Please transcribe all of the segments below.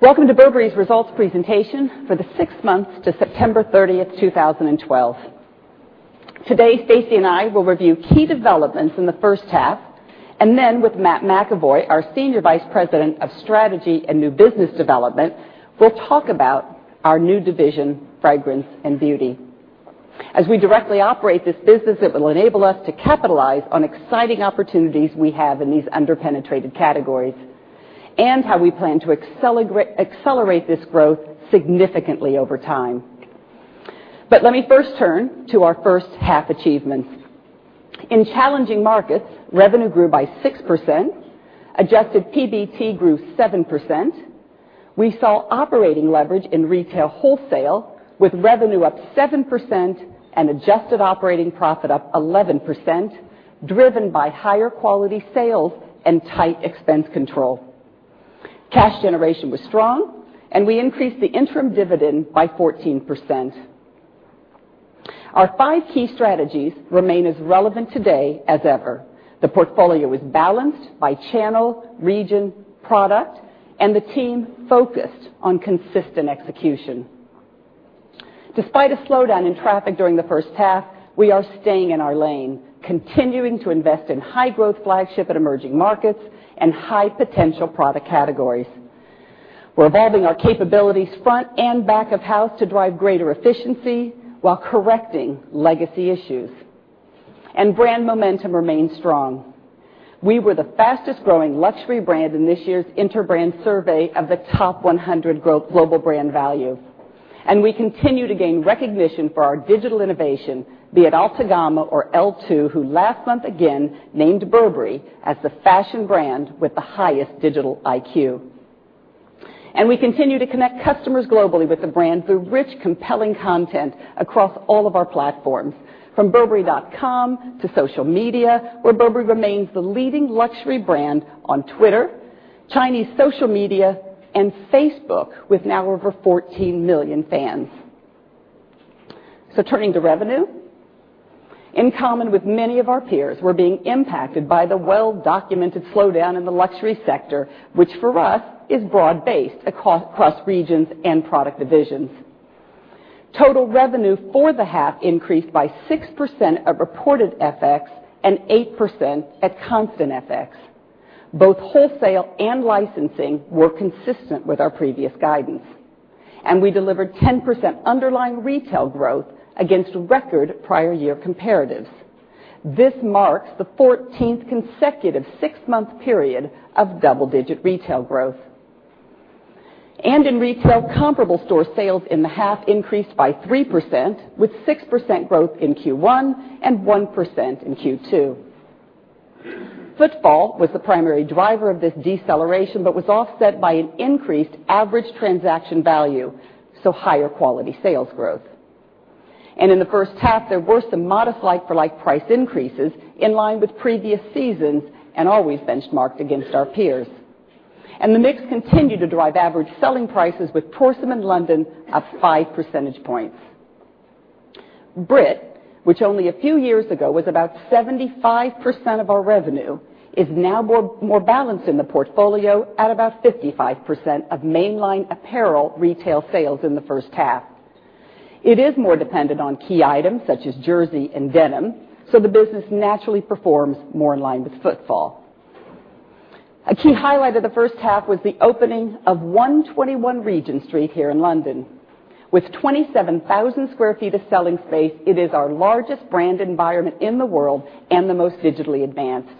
Welcome to Burberry's results presentation for the six months to September 30th, 2012. Today, Stacey and I will review key developments in the first half. Then with Matt McEvoy, our Senior Vice President of Strategy and New Business Development, we will talk about our new division, Fragrance and Beauty. As we directly operate this business, it will enable us to capitalize on exciting opportunities we have in these under-penetrated categories and how we plan to accelerate this growth significantly over time. Let me first turn to our first half achievements. In challenging markets, revenue grew by 6%, adjusted PBT grew 7%. We saw operating leverage in retail wholesale with revenue up 7% and adjusted operating profit up 11%, driven by higher quality sales and tight expense control. Cash generation was strong, and we increased the interim dividend by 14%. Our five key strategies remain as relevant today as ever. The portfolio is balanced by channel, region, product, and the team focused on consistent execution. Despite a slowdown in traffic during the first half, we are staying in our lane, continuing to invest in high-growth flagship and emerging markets and high-potential product categories. We are evolving our capabilities front and back of house to drive greater efficiency while correcting legacy issues. Brand momentum remains strong. We were the fastest-growing luxury brand in this year's Interbrand survey of the top 100 growth global brand value. We continue to gain recognition for our Digital innovation, be it Altagamma or L2, who last month again named Burberry as the fashion brand with the highest Digital IQ. We continue to connect customers globally with the brand through rich, compelling content across all of our platforms, from burberry.com to social media, where Burberry remains the leading luxury brand on Twitter, Chinese social media, and Facebook, with now over 14 million fans. Turning to revenue. In common with many of our peers, we are being impacted by the well-documented slowdown in the luxury sector, which for us is broad-based across regions and product divisions. Total revenue for the half increased by 6% of reported FX and 8% at constant FX. Both wholesale and licensing were consistent with our previous guidance. We delivered 10% underlying retail growth against record prior year comparatives. This marks the 14th consecutive six-month period of double-digit retail growth. In retail, comparable store sales in the half increased by 3%, with 6% growth in Q1 and 1% in Q2. Footfall was the primary driver of this deceleration but was offset by an increased average transaction value, so higher quality sales growth. In the first half, there were some modest like-for-like price increases in line with previous seasons and always benchmarked against our peers. The mix continued to drive average selling prices with Prorsum London up five percentage points. Brit, which only a few years ago was about 75% of our revenue, is now more balanced in the portfolio at about 55% of mainline apparel retail sales in the first half. It is more dependent on key items such as jersey and denim, so the business naturally performs more in line with footfall. A key highlight of the first half was the opening of 121 Regent Street here in London. With 27,000 square feet of selling space, it is our largest brand environment in the world and the most digitally advanced.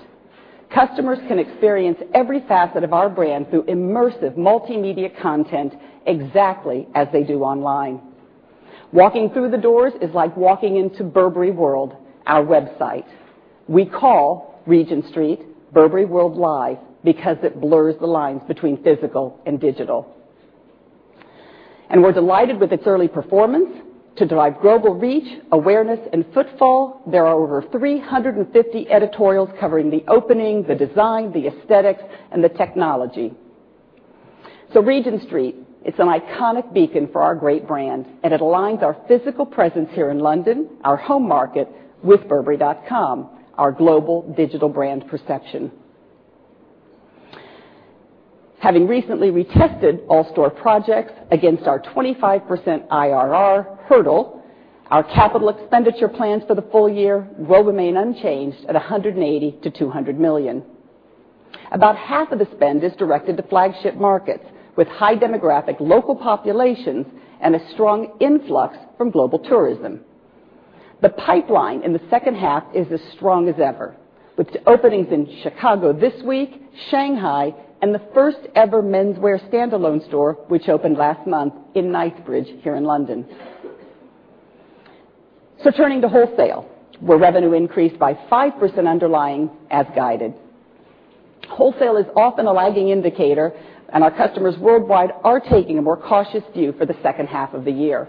Customers can experience every facet of our brand through immersive multimedia content exactly as they do online. Walking through the doors is like walking into Burberry World, our website. We call Regent Street Burberry World Live because it blurs the lines between physical and digital. We're delighted with its early performance. To drive global reach, awareness, and footfall, there are over 350 editorials covering the opening, the design, the aesthetics, and the technology. Regent Street, it's an iconic beacon for our great brand, and it aligns our physical presence here in London, our home market, with burberry.com, our global digital brand perception. Having recently retested all store projects against our 25% IRR hurdle, our capital expenditure plans for the full year will remain unchanged at 180 million-200 million. About half of the spend is directed to flagship markets with high demographic local populations and a strong influx from global tourism. The pipeline in the second half is as strong as ever, with openings in Chicago this week, Shanghai, and the first-ever menswear standalone store, which opened last month in Knightsbridge here in London. Turning to wholesale, where revenue increased by 5% underlying as guided. Wholesale is often a lagging indicator, and our customers worldwide are taking a more cautious view for the second half of the year.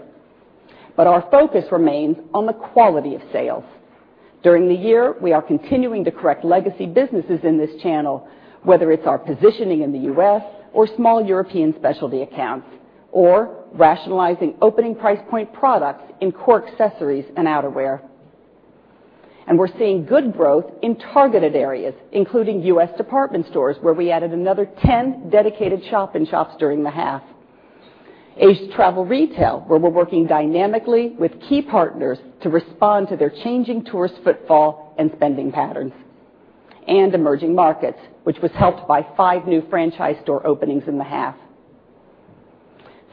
Our focus remains on the quality of sales. During the year, we are continuing to correct legacy businesses in this channel, whether it's our positioning in the U.S. or small European specialty accounts, or rationalizing opening price point products in core accessories and outerwear. We're seeing good growth in targeted areas, including U.S. department stores, where we added another 10 dedicated shop-in-shops during the half. Ace Travel Retail, where we're working dynamically with key partners to respond to their changing tourist footfall and spending patterns. Emerging markets, which was helped by five new franchise store openings in the half.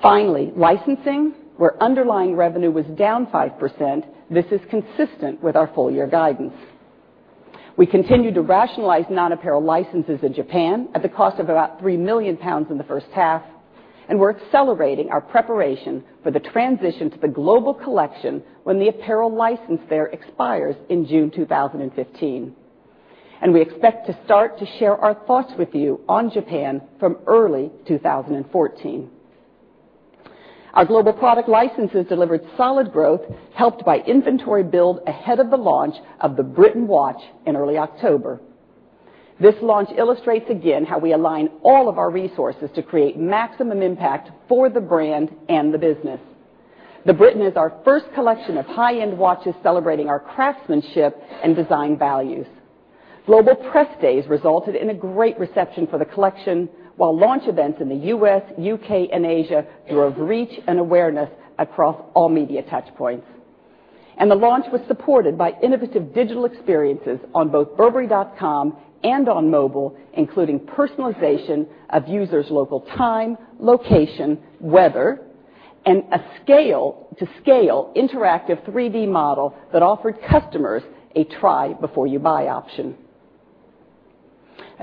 Finally, licensing, where underlying revenue was down 5%. This is consistent with our full year guidance. We continue to rationalize non-apparel licenses in Japan at the cost of about 3 million pounds in the first half, and we're accelerating our preparation for the transition to the global collection when the apparel license there expires in June 2015. We expect to start to share our thoughts with you on Japan from early 2014. Our global product licenses delivered solid growth, helped by inventory build ahead of the launch of The Britain watch in early October. This launch illustrates again how we align all of our resources to create maximum impact for the brand and the business. The Britain is our first collection of high-end watches celebrating our craftsmanship and design values. Global press days resulted in a great reception for the collection, while launch events in the U.S., U.K., and Asia drove reach and awareness across all media touch points. The launch was supported by innovative digital experiences on both burberry.com and on mobile, including personalization of users' local time, location, weather, and a scale to scale interactive 3D model that offered customers a try before you buy option.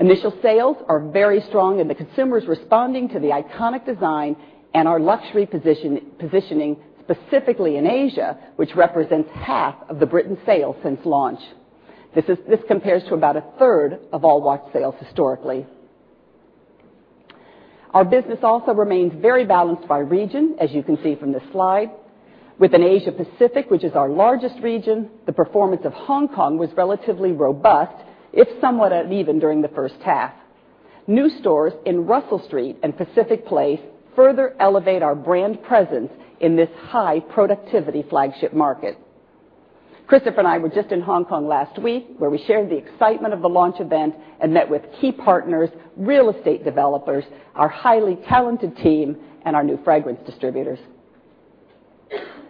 Initial sales are very strong and the consumer's responding to the iconic design and our luxury positioning, specifically in Asia, which represents half of The Britain sales since launch. This compares to about a third of all watch sales historically. Our business also remains very balanced by region, as you can see from this slide. Within Asia Pacific, which is our largest region, the performance of Hong Kong was relatively robust, if somewhat uneven during the first half. New stores in Russell Street and Pacific Place further elevate our brand presence in this high-productivity flagship market. Christopher and I were just in Hong Kong last week, where we shared the excitement of the launch event and met with key partners, real estate developers, our highly talented team, and our new fragrance distributors.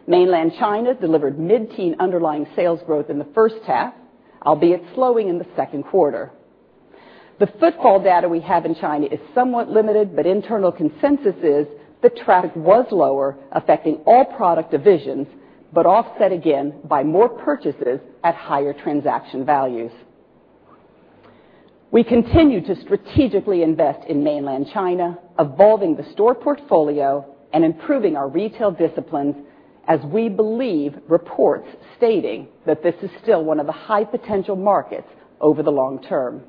Mainland China delivered mid-teen underlying sales growth in the first half, albeit slowing in the second quarter. The footfall data we have in China is somewhat limited, but internal consensus is that traffic was lower, affecting all product divisions, but offset again by more purchases at higher transaction values. We continue to strategically invest in mainland China, evolving the store portfolio and improving our retail disciplines as we believe reports stating that this is still one of the high-potential markets over the long term.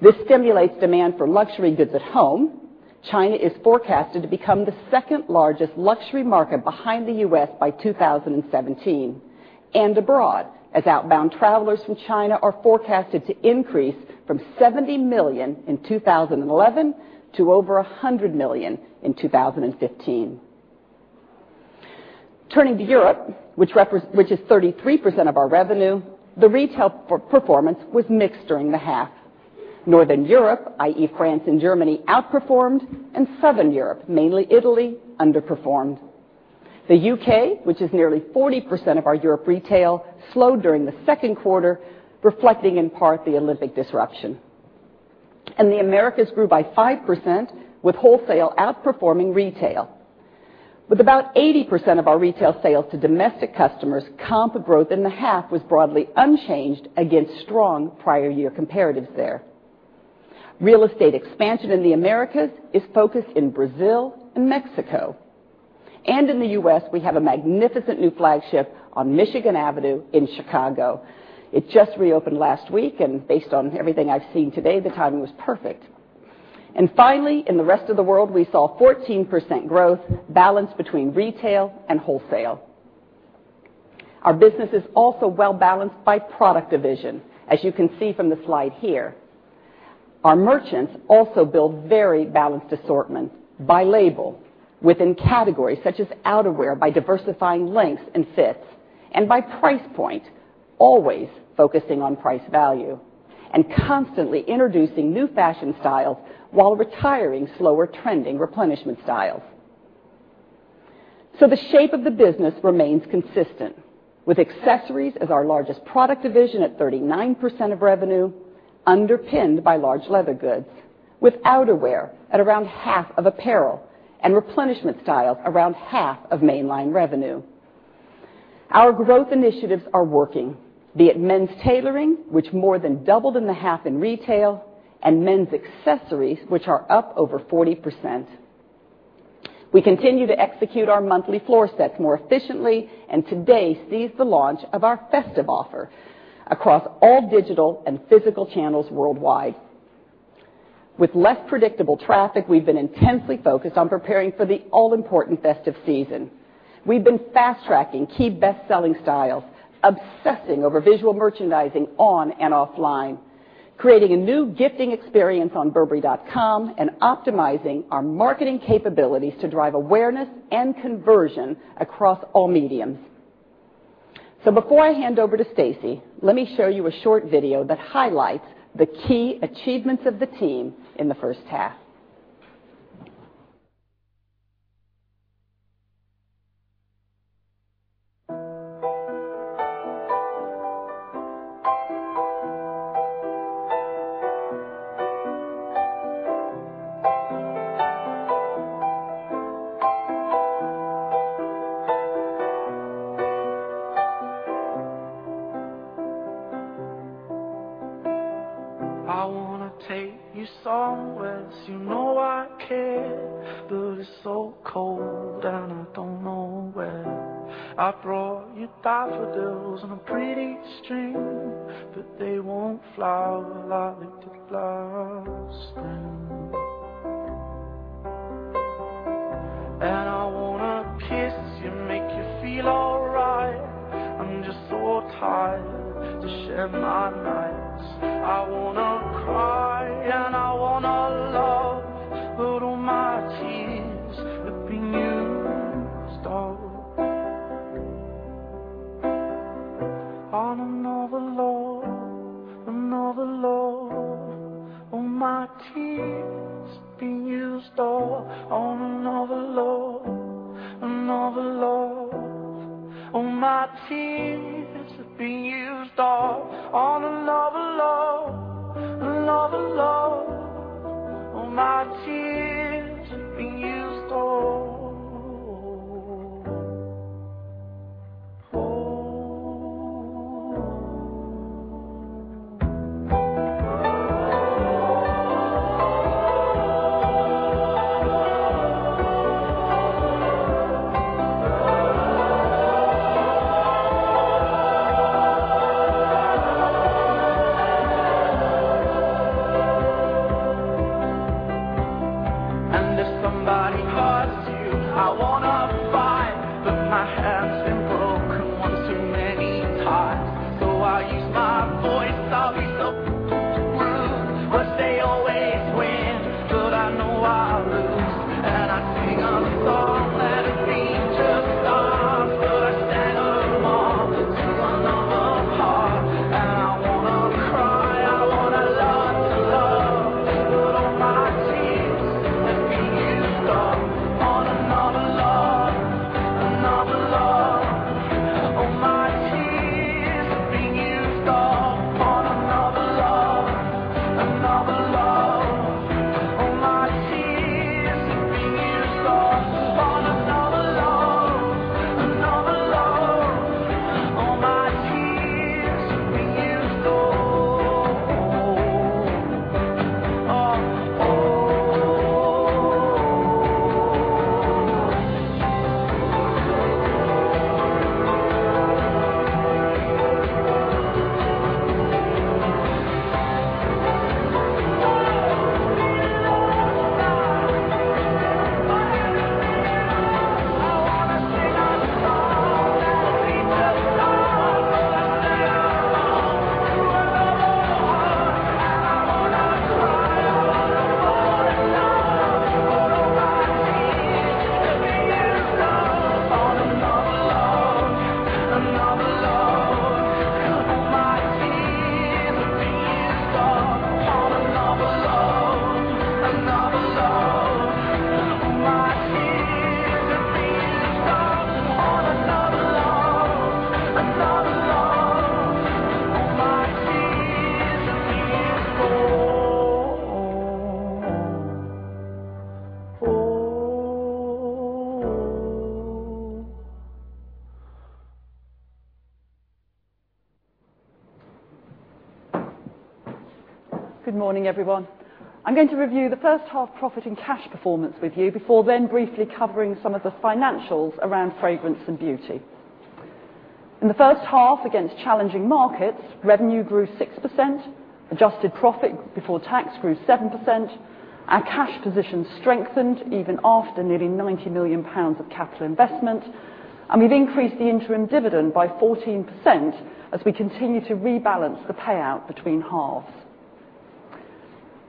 This stimulates demand for luxury goods at home. China is forecasted to become the second-largest luxury market behind the U.S. by 2017 and abroad, as outbound travelers from China are forecasted to increase from 70 million in 2011 to over 100 million in 2015. Turning to Europe, which is 33% of our revenue, the retail performance was mixed during the half. Northern Europe, i.e. France and Germany, outperformed, and Southern Europe, mainly Italy, underperformed. The U.K., which is nearly 40% of our Europe retail, slowed during the second quarter, reflecting in part the Olympic disruption. The Americas grew by 5%, with wholesale outperforming retail. With about 80% of our retail sales to domestic customers, comp growth in the half was broadly unchanged against strong prior year comparatives there. Real estate expansion in the Americas is focused in Brazil and Mexico. In the U.S., we have a magnificent new flagship on Michigan Avenue in Chicago. It just reopened last week, and based on everything I've seen today, the timing was perfect. Finally, in the rest of the world, we saw 14% growth balanced between retail and wholesale. Our business is also well-balanced by product division, as you can see from the slide here. Our merchants also build very balanced assortment by label within categories such as outerwear by diversifying lengths and fits and by price point, always focusing on price value, and constantly introducing new fashion styles while retiring slower trending replenishment styles. The shape of the business remains consistent with accessories as our largest product division at 39% of revenue, underpinned by large leather goods, with outerwear at around half of apparel and replenishment styles around half of mainline revenue. Our growth initiatives are working, be it men's tailoring, which more than doubled in the half in retail, and men's accessories, which are up over 40%. We continue to execute our monthly floor sets more efficiently and today sees the launch of our festive offer across all digital and physical channels worldwide. With less predictable traffic, we've been intensely focused on preparing for the all-important festive season. We've been fast-tracking key best-selling styles, obsessing over visual merchandising on and offline. Creating a new gifting experience on burberry.com and optimizing our marketing capabilities to drive awareness and conversion across all mediums. Before I hand over to Stacey, let me show you a short video that highlights the key achievements of the team in the first half.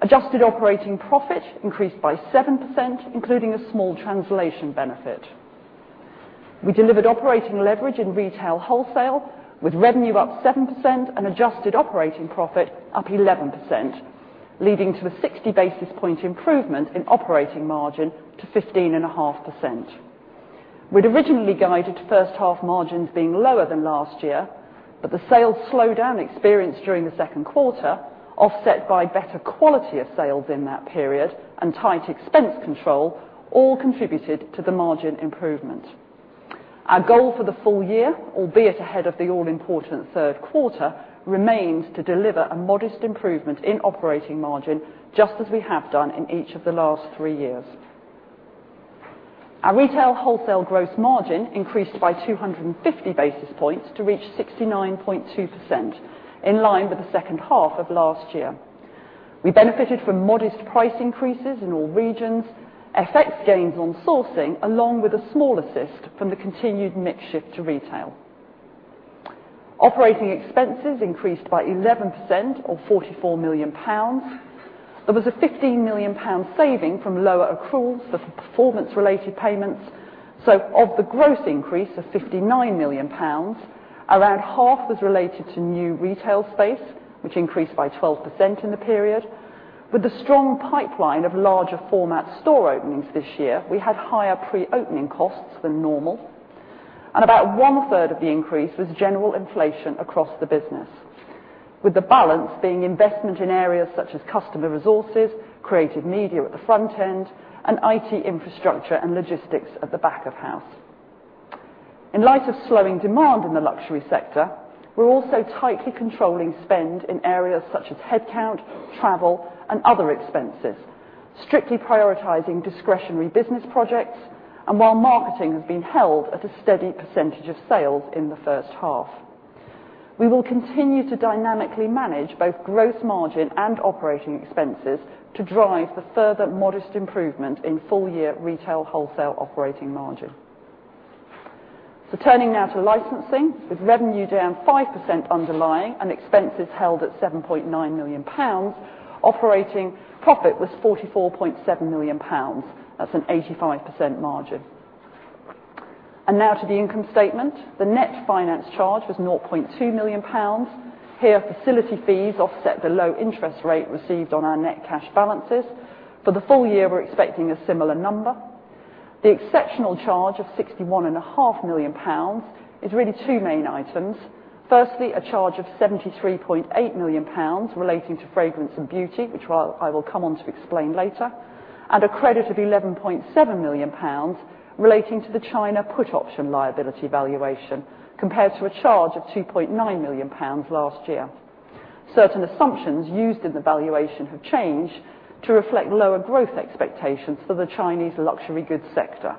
Adjusted operating profit increased by 7%, including a small translation benefit. We delivered operating leverage in retail wholesale with revenue up 7% and adjusted operating profit up 11%, leading to a 60 basis point improvement in operating margin to 15.5%. The sales slowdown experienced during the second quarter, offset by better quality of sales in that period and tight expense control, all contributed to the margin improvement. Our goal for the full year, albeit ahead of the all-important third quarter, remains to deliver a modest improvement in operating margin, just as we have done in each of the last three years. Our retail wholesale gross margin increased by 250 basis points to reach 69.2%, in line with the second half of last year. We benefited from modest price increases in all regions, FX gains on sourcing, along with a small assist from the continued mix shift to retail. Operating expenses increased by 11%, or 44 million pounds. There was a 15 million pound saving from lower accruals for performance-related payments. Of the gross increase of 59 million pounds, around half was related to new retail space, which increased by 12% in the period. With the strong pipeline of larger format store openings this year, we had higher pre-opening costs than normal, and about one-third of the increase was general inflation across the business, with the balance being investment in areas such as customer resources, creative media at the front end, and IT infrastructure and logistics at the back of house. In light of slowing demand in the luxury sector, we're also tightly controlling spend in areas such as headcount, travel, and other expenses, strictly prioritizing discretionary business projects, and while marketing has been held at a steady percentage of sales in the first half. We will continue to dynamically manage both gross margin and operating expenses to drive the further modest improvement in full-year retail wholesale operating margin. Turning now to licensing, with revenue down 5% underlying and expenses held at 7.9 million pounds, operating profit was 44.7 million pounds. That's an 85% margin. Now to the income statement. The net finance charge was 0.2 million pounds. Here, facility fees offset the low interest rate received on our net cash balances. For the full year, we're expecting a similar number. The exceptional charge of 61.5 million pounds is really two main items. Firstly, a charge of 73.8 million pounds relating to fragrance and beauty, which I will come on to explain later, and a credit of 11.7 million pounds relating to the China put option liability valuation, compared to a charge of 2.9 million pounds last year. Certain assumptions used in the valuation have changed to reflect lower growth expectations for the Chinese luxury goods sector.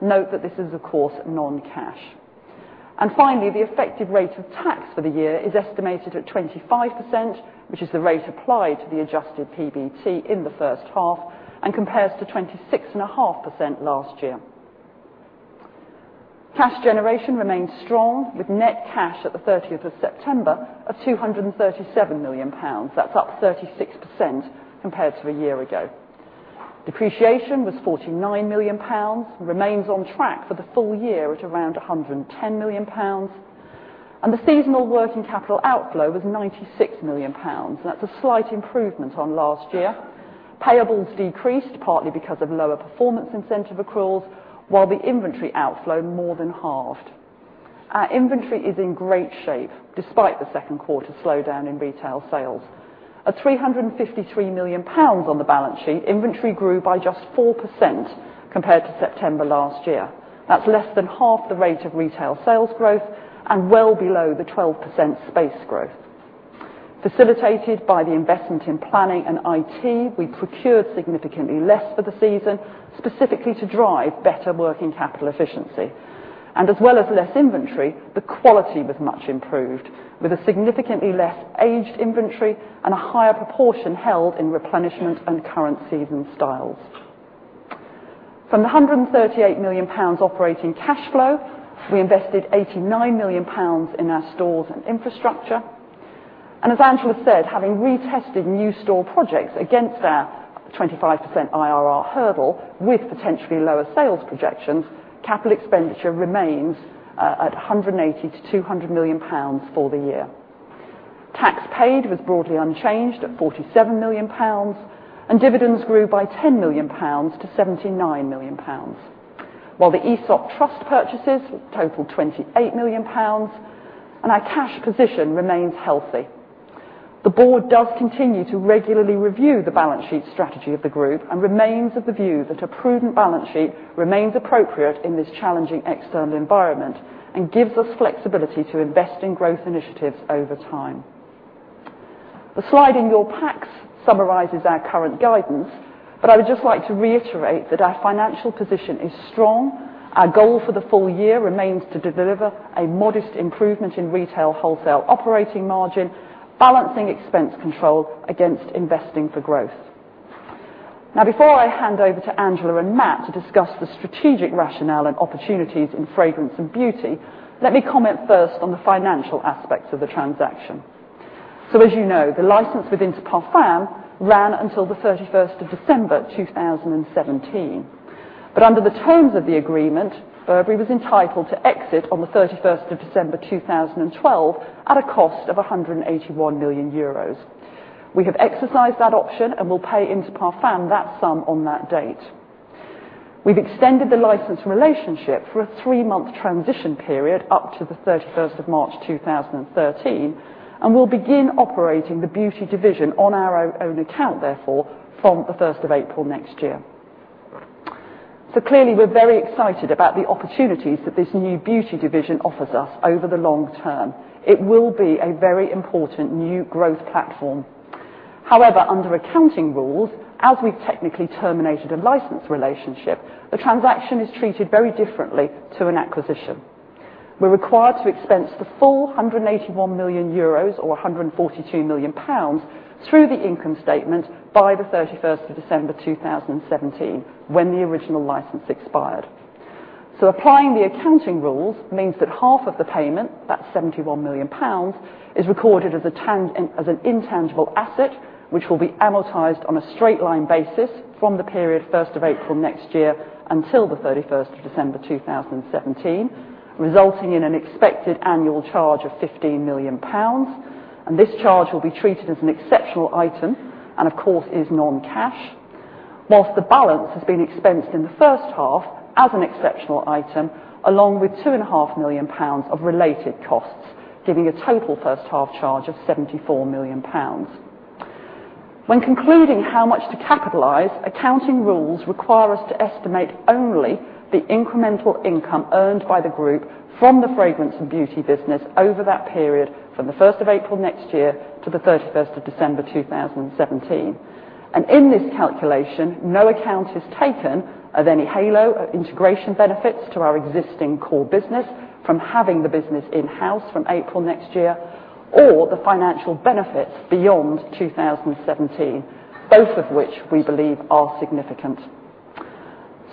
Note that this is, of course, non-cash. Finally, the effective rate of tax for the year is estimated at 25%, which is the rate applied to the adjusted PBT in the first half and compares to 26.5% last year. Cash generation remained strong, with net cash at the 30th of September of 237 million pounds. That's up 36% compared to a year ago. Depreciation was 49 million pounds, remains on track for the full year at around 110 million pounds. The seasonal working capital outflow was 96 million pounds. That's a slight improvement on last year. Payables decreased partly because of lower performance incentive accruals, while the inventory outflow more than halved. Our inventory is in great shape despite the second quarter slowdown in retail sales. At 353 million pounds on the balance sheet, inventory grew by just 4% compared to September last year. That's less than half the rate of retail sales growth and well below the 12% space growth. Facilitated by the investment in planning and IT, we procured significantly less for the season, specifically to drive better working capital efficiency. As well as less inventory, the quality was much improved, with a significantly less aged inventory and a higher proportion held in replenishment and current season styles. From the 138 million pounds operating cash flow, we invested 89 million pounds in our stores and infrastructure. As Angela said, having retested new store projects against our 25% IRR hurdle with potentially lower sales projections, capital expenditure remains at 180 million-200 million pounds for the year. Tax paid was broadly unchanged at 47 million pounds, and dividends grew by 10 million pounds to 79 million pounds, while the ESOP trust purchases totaled 28 million pounds, and our cash position remains healthy. The board does continue to regularly review the balance sheet strategy of the group and remains of the view that a prudent balance sheet remains appropriate in this challenging external environment and gives us flexibility to invest in growth initiatives over time. The slide in your packs summarizes our current guidance, but I would just like to reiterate that our financial position is strong. Our goal for the full year remains to deliver a modest improvement in retail wholesale operating margin, balancing expense control against investing for growth. Now, before I hand over to Angela and Matt to discuss the strategic rationale and opportunities in Fragrance and Beauty, let me comment first on the financial aspects of the transaction. As you know, the license with Inter Parfums ran until the 31st of December 2017. Under the terms of the agreement, Burberry was entitled to exit on the 31st of December 2012 at a cost of 181 million euros. We have exercised that option and will pay Inter Parfums that sum on that date. We've extended the license relationship for a three-month transition period up to the 31st of March 2013, and we'll begin operating the Beauty division on our own account, therefore, from the 1st of April next year. Clearly, we're very excited about the opportunities that this new Beauty division offers us over the long term. It will be a very important new growth platform. However, under accounting rules, as we've technically terminated a license relationship, the transaction is treated very differently to an acquisition. We're required to expense the full 181 million euros, or 142 million pounds, through the income statement by the 31st of December 2017, when the original license expired. Applying the accounting rules means that half of the payment, that 71 million pounds, is recorded as an intangible asset which will be amortized on a straight-line basis from the period 1st of April next year until the 31st of December 2017, resulting in an expected annual charge of 15 million pounds. This charge will be treated as an exceptional item and, of course, is non-cash. Whilst the balance has been expensed in the first half as an exceptional item, along with two and a half million pounds of related costs, giving a total first half charge of 74 million pounds. When concluding how much to capitalize, accounting rules require us to estimate only the incremental income earned by the group from the Fragrance and Beauty business over that period from the 1st of April next year to the 31st of December 2017. In this calculation, no account is taken of any halo or integration benefits to our existing core business from having the business in-house from April next year, or the financial benefits beyond 2017, both of which we believe are significant.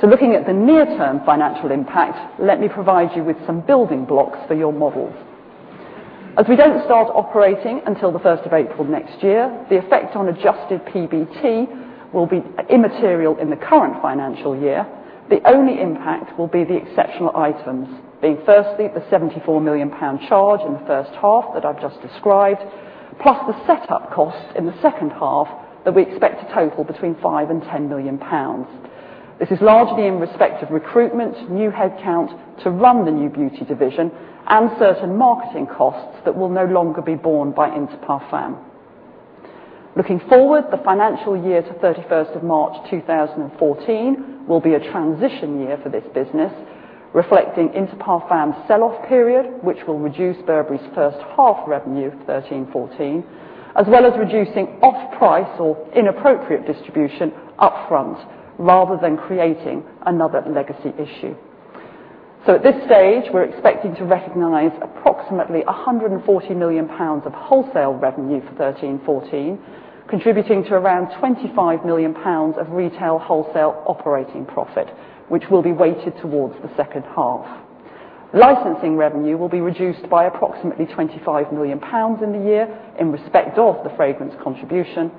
Looking at the near-term financial impact, let me provide you with some building blocks for your models. As we don't start operating until the 1st of April next year, the effect on adjusted PBT will be immaterial in the current financial year. The only impact will be the exceptional items, being firstly the 74 million pound charge in the first half that I've just described, plus the setup costs in the second half that we expect to total between 5 million and 10 million pounds. This is largely in respect of recruitment, new head count to run the new Beauty division, and certain marketing costs that will no longer be borne by Inter Parfums. Looking forward, the financial year to 31st of March 2014 will be a transition year for this business, reflecting Inter Parfums' sell-off period, which will reduce Burberry's first half revenue for 2013/2014, as well as reducing off-price or inappropriate distribution upfront rather than creating another legacy issue. At this stage, we're expecting to recognize approximately 140 million pounds of wholesale revenue for 2013/2014, contributing to around 25 million pounds of retail wholesale operating profit, which will be weighted towards the second half. Licensing revenue will be reduced by approximately 25 million pounds in the year in respect of the Fragrance contribution,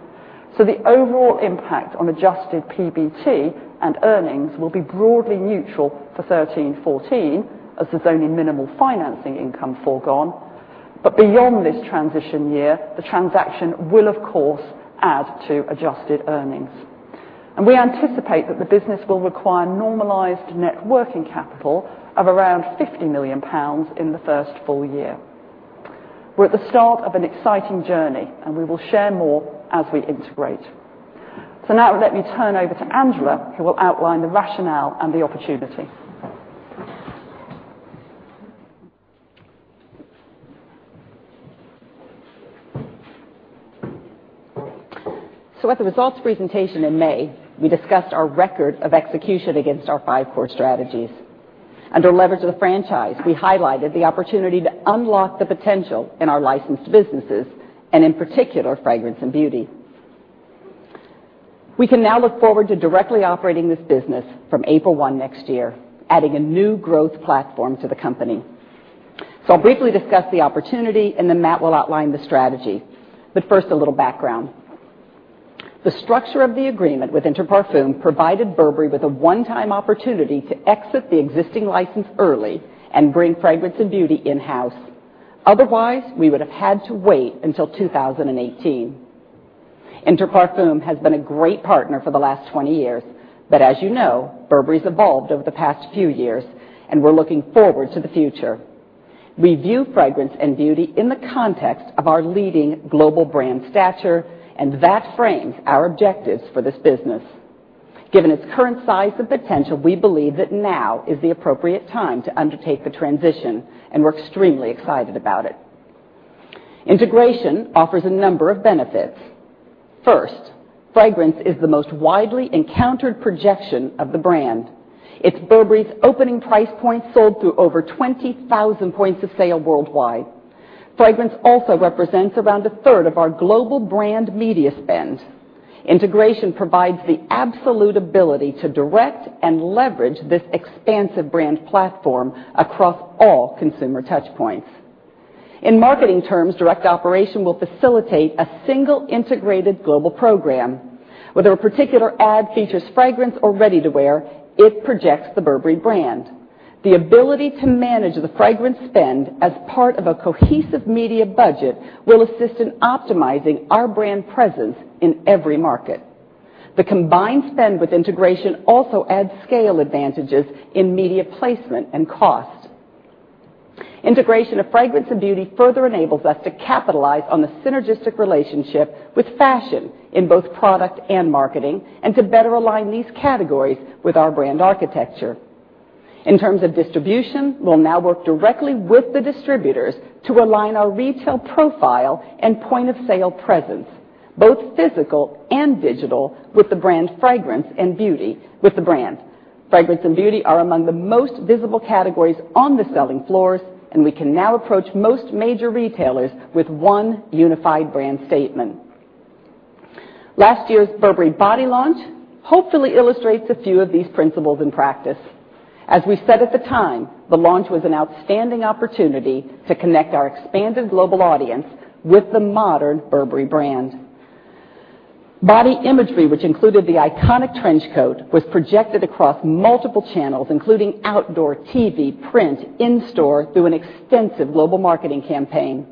so the overall impact on adjusted PBT and earnings will be broadly neutral for 2013/2014 as there's only minimal financing income forgone. Beyond this transition year, the transaction will of course add to adjusted earnings. We anticipate that the business will require normalized net working capital of around 50 million pounds in the first full year. We're at the start of an exciting journey, and we will share more as we integrate. Now let me turn over to Angela, who will outline the rationale and the opportunity. At the results presentation in May, we discussed our record of execution against our five core strategies. Under Leverage the Franchise, we highlighted the opportunity to unlock the potential in our licensed businesses and in particular, Fragrance and Beauty. We can now look forward to directly operating this business from April 1 next year, adding a new growth platform to the company. I'll briefly discuss the opportunity, and then Matt will outline the strategy. First, a little background. The structure of the agreement with Inter Parfums provided Burberry with a one-time opportunity to exit the existing license early and bring Fragrance and Beauty in-house. Otherwise, we would have had to wait until 2018. Inter Parfums has been a great partner for the last 20 years, as you know, Burberry's evolved over the past few years and we're looking forward to the future. We view Fragrance and Beauty in the context of our leading global brand stature, and that frames our objectives for this business. Given its current size and potential, we believe that now is the appropriate time to undertake the transition, and we're extremely excited about it. Integration offers a number of benefits. First, fragrance is the most widely encountered projection of the brand. It's Burberry's opening price point sold through over 20,000 points of sale worldwide. Fragrance also represents around a third of our global brand media spend. Integration provides the absolute ability to direct and leverage this expansive brand platform across all consumer touch points. In marketing terms, direct operation will facilitate a single integrated global program. Whether a particular ad features fragrance or ready-to-wear, it projects the Burberry brand. The ability to manage the fragrance spend as part of a cohesive media budget will assist in optimizing our brand presence in every market. The combined spend with integration also adds scale advantages in media placement and cost. Integration of Fragrance and Beauty further enables us to capitalize on the synergistic relationship with Fashion in both product and marketing, and to better align these categories with our brand architecture. In terms of distribution, we'll now work directly with the distributors to align our retail profile and point-of-sale presence, both physical and digital, with the brand Fragrance and Beauty. Fragrance and Beauty are among the most visible categories on the selling floors, and we can now approach most major retailers with one unified brand statement. Last year's Burberry Body launch hopefully illustrates a few of these principles in practice. As we said at the time, the launch was an outstanding opportunity to connect our expanded global audience with the modern Burberry brand. Body imagery, which included the iconic trench coat, was projected across multiple channels, including outdoor TV, print, in-store, through an extensive global marketing campaign.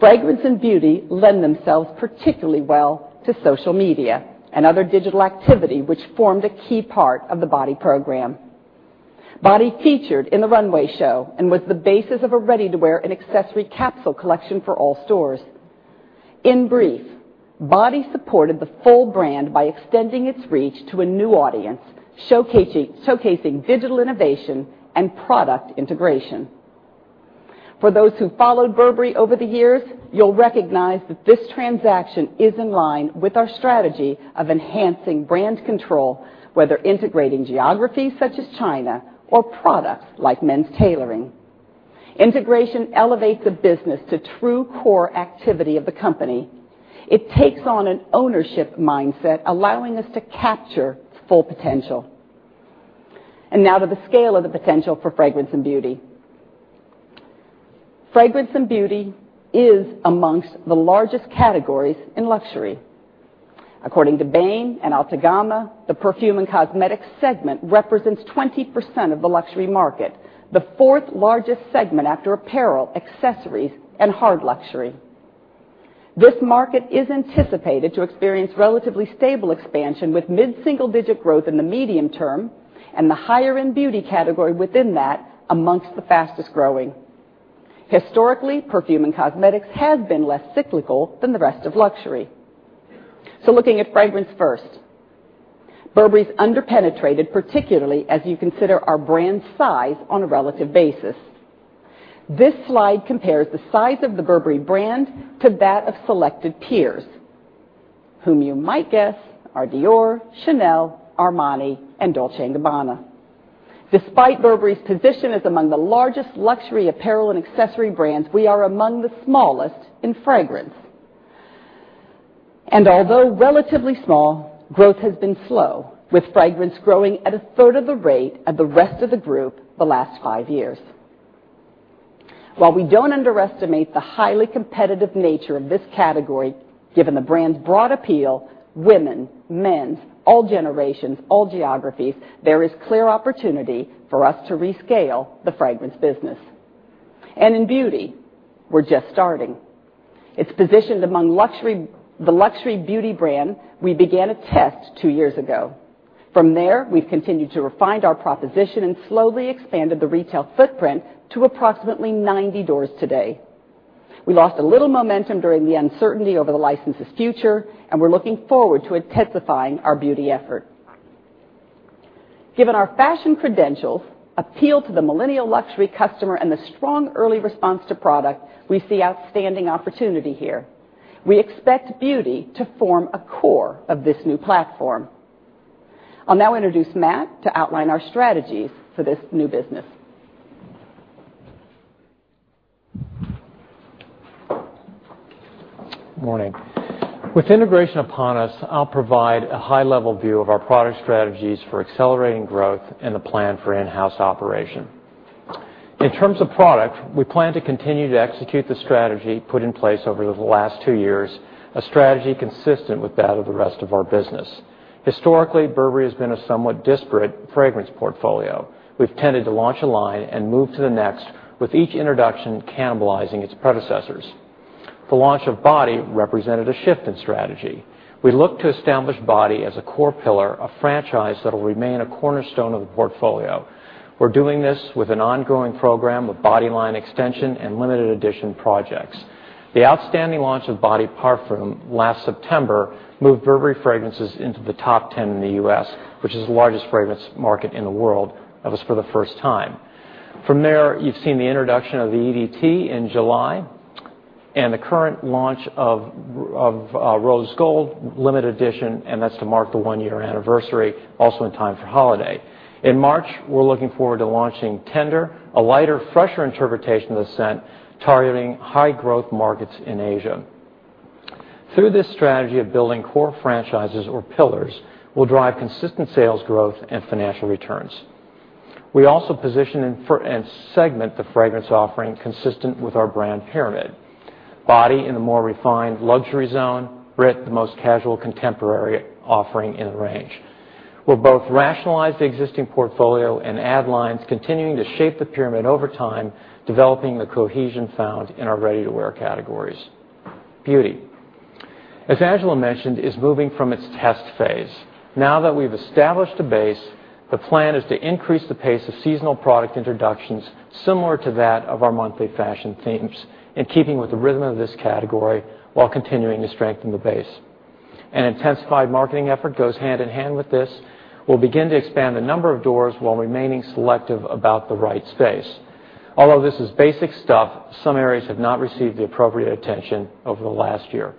Fragrance and Beauty lend themselves particularly well to social media and other digital activity, which formed a key part of the Body program. Body featured in the runway show and was the basis of a ready-to-wear and accessory capsule collection for all stores. In brief, Body supported the full brand by extending its reach to a new audience, showcasing digital innovation and product integration. For those who followed Burberry over the years, you'll recognize that this transaction is in line with our strategy of enhancing brand control, whether integrating geographies such as China or products like men's tailoring. Integration elevates a business to true core activity of the company. It takes on an ownership mindset, allowing us to capture its full potential. Now to the scale of the potential for fragrance and beauty. Fragrance and beauty is amongst the largest categories in luxury. According to Bain and Altagamma, the perfume and cosmetic segment represents 20% of the luxury market, the fourth largest segment after apparel, accessories, and hard luxury. This market is anticipated to experience relatively stable expansion with mid-single-digit growth in the medium term, and the higher-end beauty category within that amongst the fastest-growing. Historically, perfume and cosmetics has been less cyclical than the rest of luxury. Looking at fragrance first. Burberry is under-penetrated, particularly as you consider our brand size on a relative basis. This slide compares the size of the Burberry brand to that of selected peers, whom you might guess are Dior, Chanel, Armani, and Dolce & Gabbana. Despite Burberry's position as among the largest luxury apparel and accessory brands, we are among the smallest in fragrance. Although relatively small, growth has been slow, with fragrance growing at a third of the rate of the rest of the group the last five years. While we don't underestimate the highly competitive nature of this category, given the brand's broad appeal, women, men, all generations, all geographies, there is clear opportunity for us to rescale the fragrance business. In beauty, we're just starting. It's positioned among the luxury beauty brand we began a test two years ago. From there, we've continued to refine our proposition and slowly expanded the retail footprint to approximately 90 doors today. We lost a little momentum during the uncertainty over the license's future, and we're looking forward to intensifying our beauty effort. Given our fashion credentials, appeal to the millennial luxury customer, and the strong early response to product, we see outstanding opportunity here. We expect beauty to form a core of this new platform. I'll now introduce Matt to outline our strategies for this new business. Good morning. With integration upon us, I'll provide a high-level view of our product strategies for accelerating growth and the plan for in-house operation. In terms of product, we plan to continue to execute the strategy put in place over the last two years, a strategy consistent with that of the rest of our business. Historically, Burberry has been a somewhat disparate fragrance portfolio. We've tended to launch a line and move to the next, with each introduction cannibalizing its predecessors. The launch of Body represented a shift in strategy. We look to establish Body as a core pillar, a franchise that will remain a cornerstone of the portfolio. We're doing this with an ongoing program of Body line extension and limited edition projects. The outstanding launch of Body parfum last September moved Burberry Fragrances into the top 10 in the U.S., which is the largest fragrance market in the world, that was for the first time. From there, you've seen the introduction of the EDT in July and the current launch of Rose Gold limited edition, and that's to mark the one-year anniversary, also in time for holiday. In March, we're looking forward to launching Tender, a lighter, fresher interpretation of the scent targeting high-growth markets in Asia. Through this strategy of building core franchises or pillars, we'll drive consistent sales growth and financial returns. We also position and segment the fragrance offering consistent with our brand pyramid. Body in the more refined luxury zone, Brit the most casual contemporary offering in the range. We'll both rationalize the existing portfolio and add lines continuing to shape the pyramid over time, developing the cohesion found in our ready-to-wear categories. Beauty, as Stacey mentioned, is moving from its test phase. Now that we've established a base, the plan is to increase the pace of seasonal product introductions similar to that of our monthly fashion themes, in keeping with the rhythm of this category while continuing to strengthen the base. An intensified marketing effort goes hand in hand with this. We'll begin to expand the number of doors while remaining selective about the right space. Although this is basic stuff, some areas have not received the appropriate attention over the last year.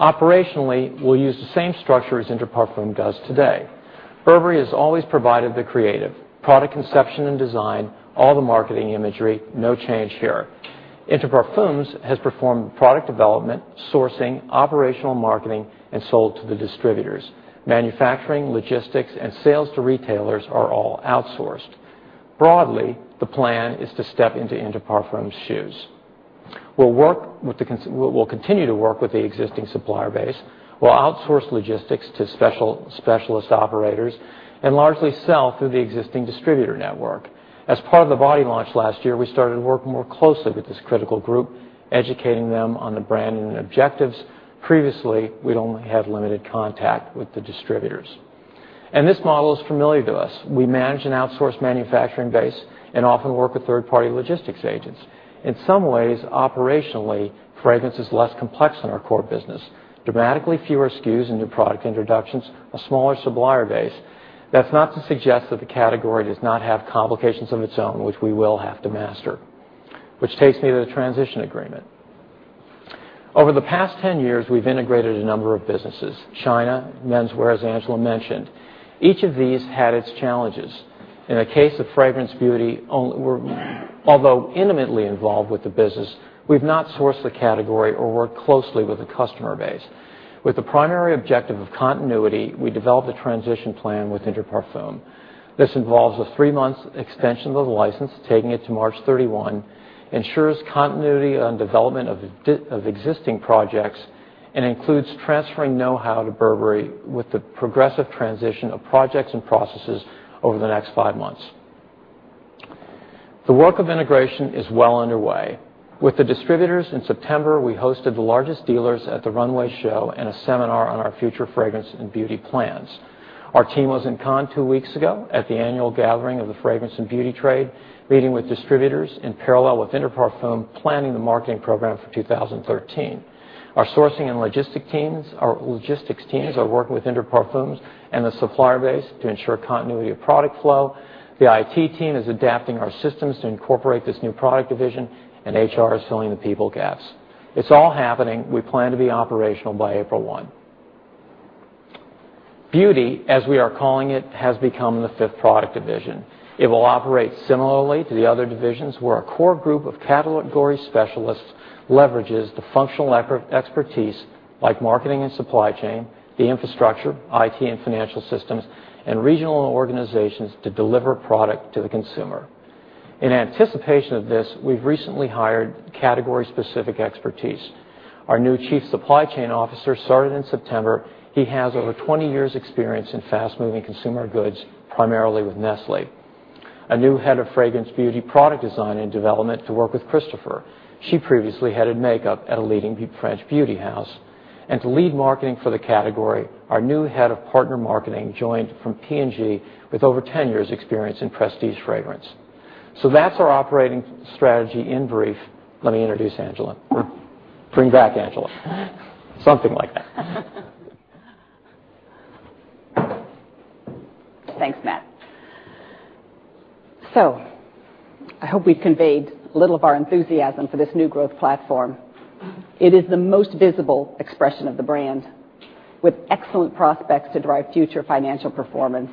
Operationally, we'll use the same structure as Inter Parfums does today. Burberry has always provided the creative, product conception and design, all the marketing imagery. No change here. Inter Parfums has performed product development, sourcing, operational marketing, and sold to the distributors. Manufacturing, logistics, and sales to retailers are all outsourced. Broadly, the plan is to step into Inter Parfums' shoes. We'll continue to work with the existing supplier base. We'll outsource logistics to specialist operators and largely sell through the existing distributor network. As part of the Body launch last year, we started to work more closely with this critical group, educating them on the brand and objectives. Previously, we'd only had limited contact with the distributors. This model is familiar to us. We manage an outsourced manufacturing base and often work with third-party logistics agents. In some ways, operationally, fragrance is less complex than our core business. Dramatically fewer SKUs, new product introductions, a smaller supplier base. That's not to suggest that the category does not have complications of its own, which we will have to master. Which takes me to the transition agreement. Over the past 10 years, we've integrated a number of businesses. China, menswear, as Stacey mentioned. Each of these had its challenges. In the case of Fragrance Beauty, although intimately involved with the business, we've not sourced the category or worked closely with the customer base. With the primary objective of continuity, we developed a transition plan with Inter Parfums. This involves a three-month extension of the license, taking it to March 31, ensures continuity on development of existing projects, and includes transferring know-how to Burberry with the progressive transition of projects and processes over the next five months. The work of integration is well underway. With the distributors in September, we hosted the largest dealers at the runway show and a seminar on our future fragrance and beauty plans. Our team was in Cannes two weeks ago at the annual gathering of the fragrance and beauty trade, meeting with distributors in parallel with InterParfums, planning the marketing program for 2013. Our sourcing and logistics teams are working with InterParfums and the supplier base to ensure continuity of product flow. The IT team is adapting our systems to incorporate this new product division, and HR is filling the people gaps. It's all happening. We plan to be operational by April 1. Beauty, as we are calling it, has become the fifth product division. It will operate similarly to the other divisions, where a core group of category specialists leverages the functional expertise, like marketing and supply chain, the infrastructure, IT and financial systems, and regional organizations to deliver product to the consumer. In anticipation of this, we've recently hired category-specific expertise. Our new chief supply chain officer started in September. He has over 20 years experience in fast-moving consumer goods, primarily with Nestlé. A new head of fragrance beauty product design and development to work with Christopher. She previously headed makeup at a leading French beauty house. To lead marketing for the category, our new head of partner marketing joined from P&G with over 10 years experience in prestige fragrance. That's our operating strategy in brief. Let me introduce Angela, or bring back Angela. Something like that. Thanks, Matt. I hope we've conveyed a little of our enthusiasm for this new growth platform. It is the most visible expression of the brand, with excellent prospects to drive future financial performance.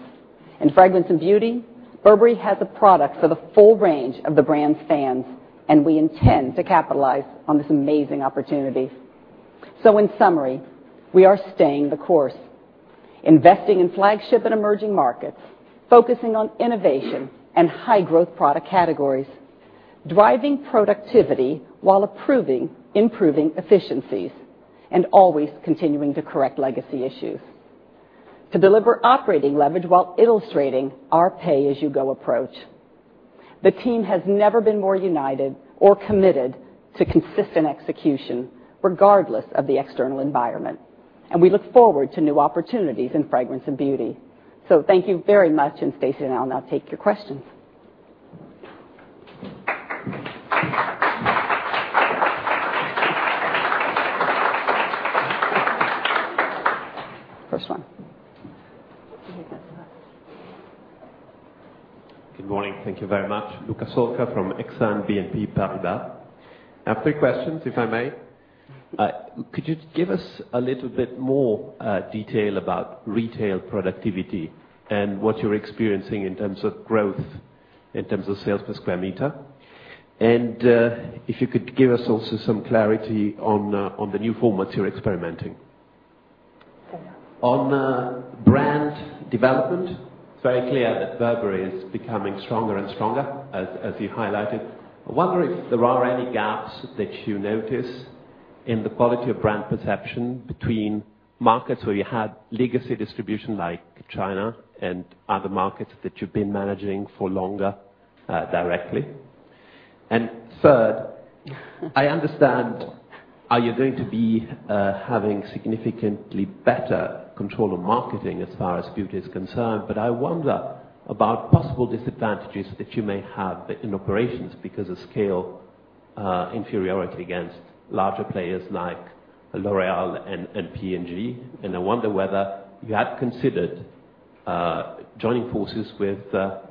In Fragrance and Beauty, Burberry has a product for the full range of the brand's fans, and we intend to capitalize on this amazing opportunity. In summary, we are staying the course, investing in flagship and emerging markets, focusing on innovation and high-growth product categories, driving productivity while improving efficiencies, and always continuing to correct legacy issues to deliver operating leverage while illustrating our pay-as-you-go approach. The team has never been more united or committed to consistent execution, regardless of the external environment, and we look forward to new opportunities in Fragrance and Beauty. Thank you very much, and Stacey and I will now take your questions. First one. Good morning. Thank you very much. Luca Solca from Exane BNP Paribas. I have three questions, if I may. Could you give us a little bit more detail about retail productivity and what you're experiencing in terms of growth, in terms of sales per sq m? If you could give us also some clarity on the new formats you're experimenting. Sure. On brand development, it's very clear that Burberry is becoming stronger and stronger, as you highlighted. I wonder if there are any gaps that you notice in the quality of brand perception between markets where you had legacy distribution, like China and other markets that you've been managing for longer directly. Third, I understand, are you going to be having significantly better control of marketing as far as beauty is concerned? I wonder about possible disadvantages that you may have in operations because of scale inferiority against larger players like L'Oréal and P&G. I wonder whether you have considered joining forces with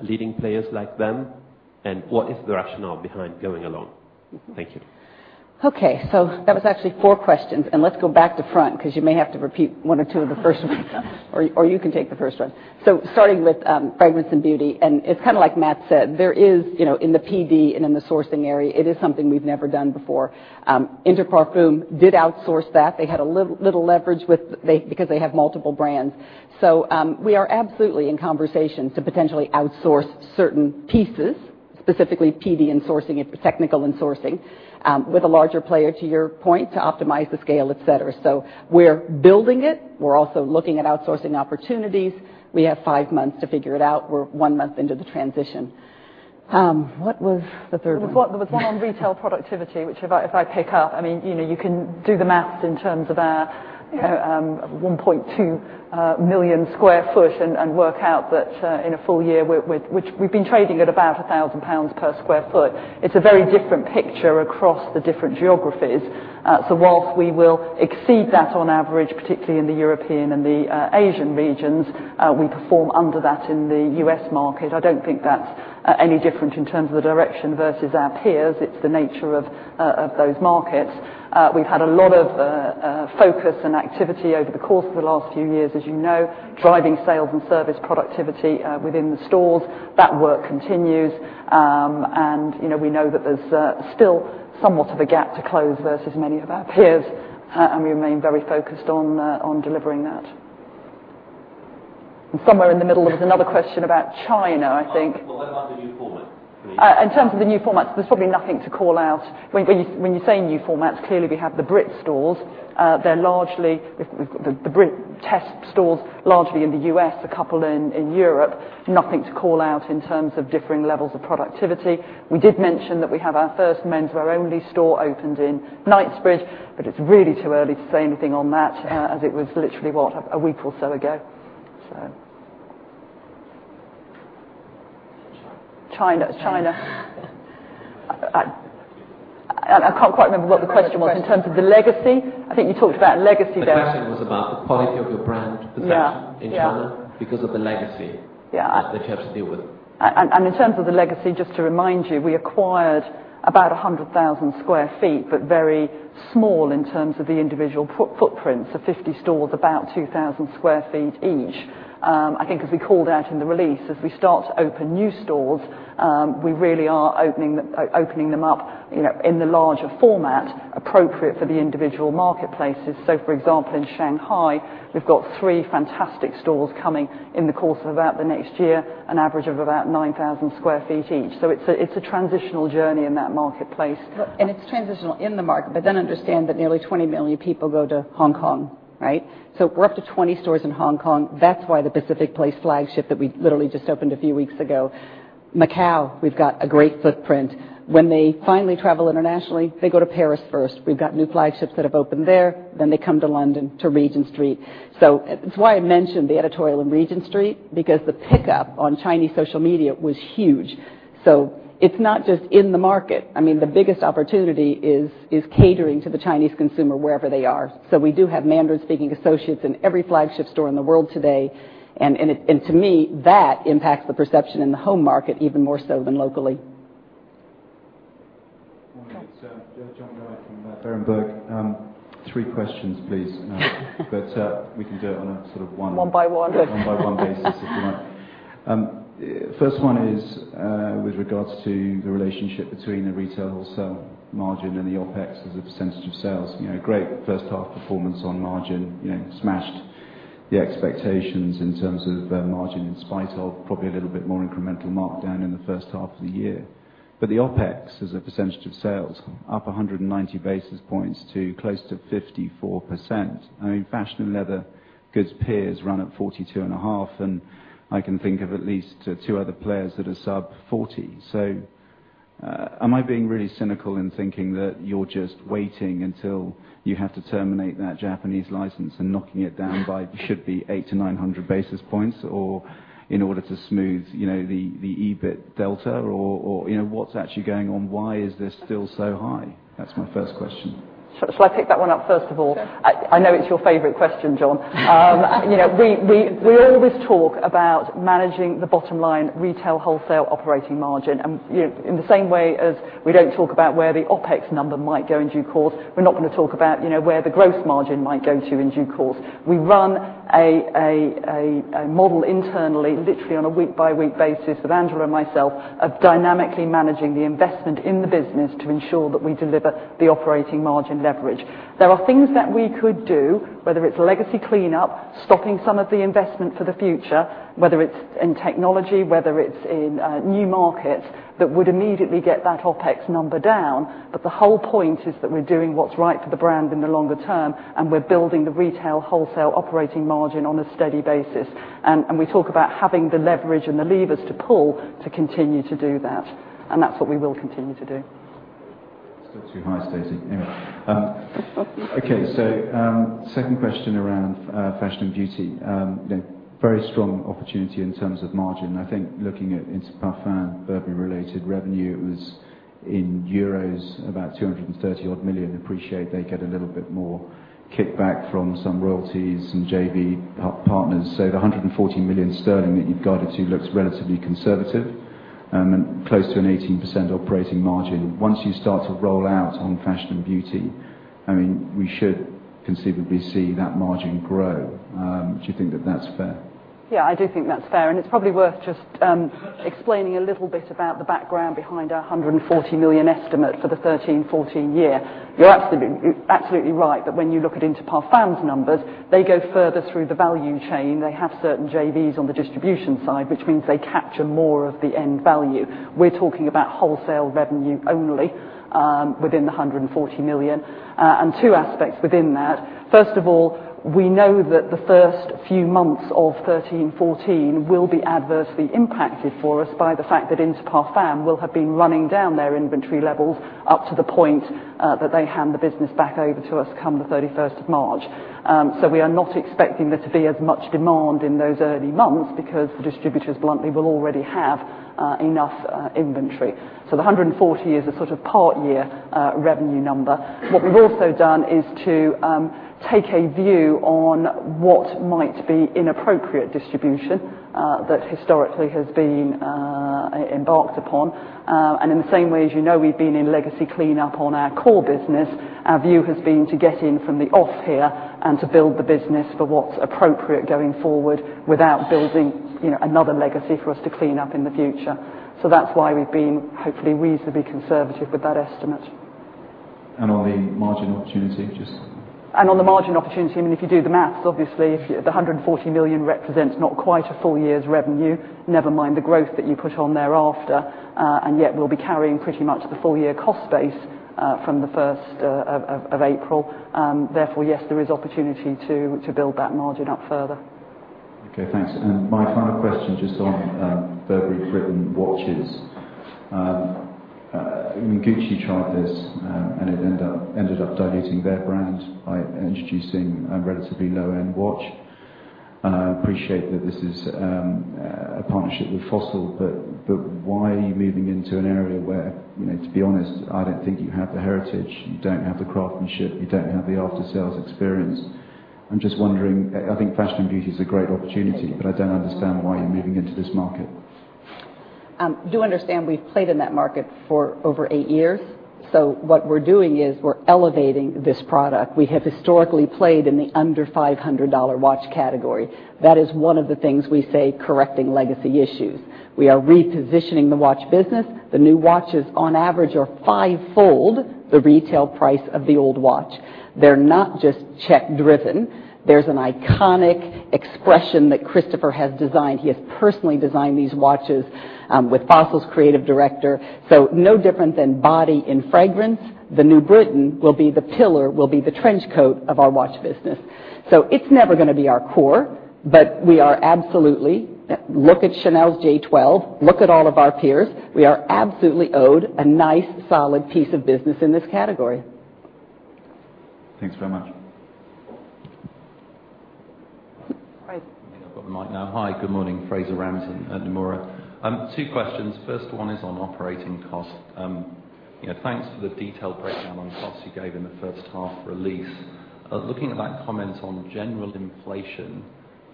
leading players like them, and what is the rationale behind going alone? Thank you. Okay. That was actually four questions, let's go back to front because you may have to repeat one or two of the first ones. You can take the first one. Starting with fragrance and beauty, it's kind of like Matt said, there is, in the PD and in the sourcing area, it is something we've never done before. Inter Parfums did outsource that. They had a little leverage because they have multiple brands. We are absolutely in conversations to potentially outsource certain pieces, specifically PD and sourcing, technical and sourcing, with a larger player, to your point, to optimize the scale, et cetera. We're building it. We're also looking at outsourcing opportunities. We have five months to figure it out. We are one month into the transition. What was the third one? There was one on retail productivity, which if I pick up, you can do the math in terms of our 1.2 million sq ft and work out that in a full year, which we've been trading at about 1,000 pounds per sq ft. It's a very different picture across the different geographies. Whilst we will exceed that on average, particularly in the European and the Asian regions, we perform under that in the U.S. market. I don't think that's any different in terms of the direction versus our peers. It's the nature of those markets. We've had a lot of focus and activity over the course of the last few years, as you know, driving sales and service productivity within the stores. That work continues. We know that there's still somewhat of a gap to close versus many of our peers, we remain very focused on delivering that. Somewhere in the middle, there was another question about China, I think. What about the new formats? In terms of the new formats, there's probably nothing to call out. When you're saying new formats, clearly we have the Brit stores. The Brit test stores largely in the U.S., a couple in Europe. Nothing to call out in terms of differing levels of productivity. We did mention that we have our first menswear-only store opened in Knightsbridge, but it's really too early to say anything on that, as it was literally, what, a week or so ago. China. I can't quite remember what the question was in terms of the legacy. I think you talked about legacy there. The question was about the quality of your brand perception in China because of the legacy that you have to deal with. In terms of the legacy, just to remind you, we acquired about 100,000 sq ft, but very small in terms of the individual footprints of 50 stores, about 2,000 sq ft each. I think as we called out in the release, as we start to open new stores, we really are opening them up in the larger format appropriate for the individual marketplaces. For example, in Shanghai, we've got three fantastic stores coming in the course of about the next year, an average of about 9,000 sq ft each. It's a transitional journey in that marketplace. It's transitional in the market, understand that nearly 20 million people go to Hong Kong, right? We're up to 20 stores in Hong Kong. That's why the Pacific Place flagship that we literally just opened a few weeks ago. Macau, we've got a great footprint. When they finally travel internationally, they go to Paris first. We've got new flagships that have opened there. They come to London to Regent Street. That's why I mentioned the editorial in Regent Street, because the pickup on Chinese social media was huge. It's not just in the market. The biggest opportunity is catering to the Chinese consumer wherever they are. We do have Mandarin-speaking associates in every flagship store in the world today. To me, that impacts the perception in the home market even more so than locally. Morning. It's John Wright from Berenberg. Three questions, please. We can do it on a sort of. One by one. One by one basis, if you like. First one is with regards to the relationship between the retail wholesale margin and the OpEx as a % of sales. Great first half performance on margin. Smashed the expectations in terms of margin in spite of probably a little bit more incremental markdown in the first half of the year. The OpEx as a % of sales up 190 basis points to close to 54%. Fashion and leather goods peers run at 42.5, and I can think of at least two other players that are sub 40. Am I being really cynical in thinking that you're just waiting until you have to terminate that Japanese license and knocking it down by should-be eight to 900 basis points? In order to smooth the EBIT delta, what's actually going on? Why is this still so high? That's my first question. Shall I pick that one up first of all? Sure. I know it's your favorite question, John. We always talk about managing the bottom line retail wholesale operating margin. In the same way as we don't talk about where the OpEx number might go in due course, we're not going to talk about where the gross margin might go to in due course. We run a model internally, literally on a week-by-week basis with Annabelle and myself, of dynamically managing the investment in the business to ensure that we deliver the operating margin leverage. There are things that we could do, whether it's legacy cleanup, stopping some of the investment for the future, whether it's in technology, whether it's in new markets, that would immediately get that OpEx number down. The whole point is that we're doing what's right for the brand in the longer term, and we're building the retail wholesale operating margin on a steady basis. We talk about having the leverage and the levers to pull to continue to do that, and that's what we will continue to do. Still too high, Stacey. Anyway. Okay. Second question around fashion and beauty. Very strong opportunity in terms of margin. I think looking at Inter Parfums, Burberry-related revenue, it was in EUR, about 230 euros odd million. Appreciate they get a little bit more kickback from some royalties, some JV partners. So the 140 million sterling that you've guided to looks relatively conservative and close to an 18% operating margin. Once you start to roll out on fashion and beauty, we should conceivably see that margin grow. Do you think that that's fair? Yeah, I do think that's fair. It's probably worth just explaining a little bit about the background behind our 140 million estimate for the 2013-2014 year. You're absolutely right that when you look at Inter Parfums' numbers, they go further through the value chain. They have certain JVs on the distribution side, which means they capture more of the end value. We're talking about wholesale revenue only within the 140 million. Two aspects within that. First of all, we know that the first few months of 2013-2014 will be adversely impacted for us by the fact that Inter Parfums will have been running down their inventory levels up to the point that they hand the business back over to us come the 31st of March. We are not expecting there to be as much demand in those early months because the distributors bluntly will already have enough inventory. The 140 is a sort of part year revenue number. What we've also done is to take a view on what might be inappropriate distribution that historically has been embarked upon. In the same way, as you know, we've been in legacy cleanup on our core business. Our view has been to get in from the off here and to build the business for what's appropriate going forward without building another legacy for us to clean up in the future. That's why we've been, hopefully, reasonably conservative with that estimate. On the margin opportunity. On the margin opportunity, if you do the math, obviously, the 140 million represents not quite a full year's revenue, never mind the growth that you put on thereafter. Yet we'll be carrying pretty much the full year cost base from the first of April. Therefore, yes, there is opportunity to build that margin up further. Okay, thanks. My final question, just on Burberry Brit and watches. Gucci tried this, and it ended up diluting their brand by introducing a relatively low-end watch. I appreciate that this is a partnership with Fossil, why are you moving into an area where, to be honest, I don't think you have the heritage, you don't have the craftsmanship, you don't have the after-sales experience. I'm just wondering, I think fashion and beauty is a great opportunity, I don't understand why you're moving into this market. Do understand we've played in that market for over eight years. What we're doing is we're elevating this product. We have historically played in the under GBP 500 watch category. That is one of the things we say correcting legacy issues. We are repositioning the watch business. The new watches, on average, are fivefold the retail price of the old watch. They're not just check-driven. There's an iconic expression that Christopher has designed. He has personally designed these watches with Fossil's creative director. No different than Body in fragrance, The Britain will be the pillar, will be the trench coat of our watch business. It's never going to be our core, we are absolutely Look at Chanel's J12. Look at all of our peers. We are absolutely owed a nice, solid piece of business in this category. Thanks very much. Fraser. I think I've got the mic now. Hi, good morning. Fraser Ramzan at Nomura. Two questions. First one is on operating cost. Thanks for the detailed breakdown on costs you gave in the first half release. Looking at that comment on general inflation,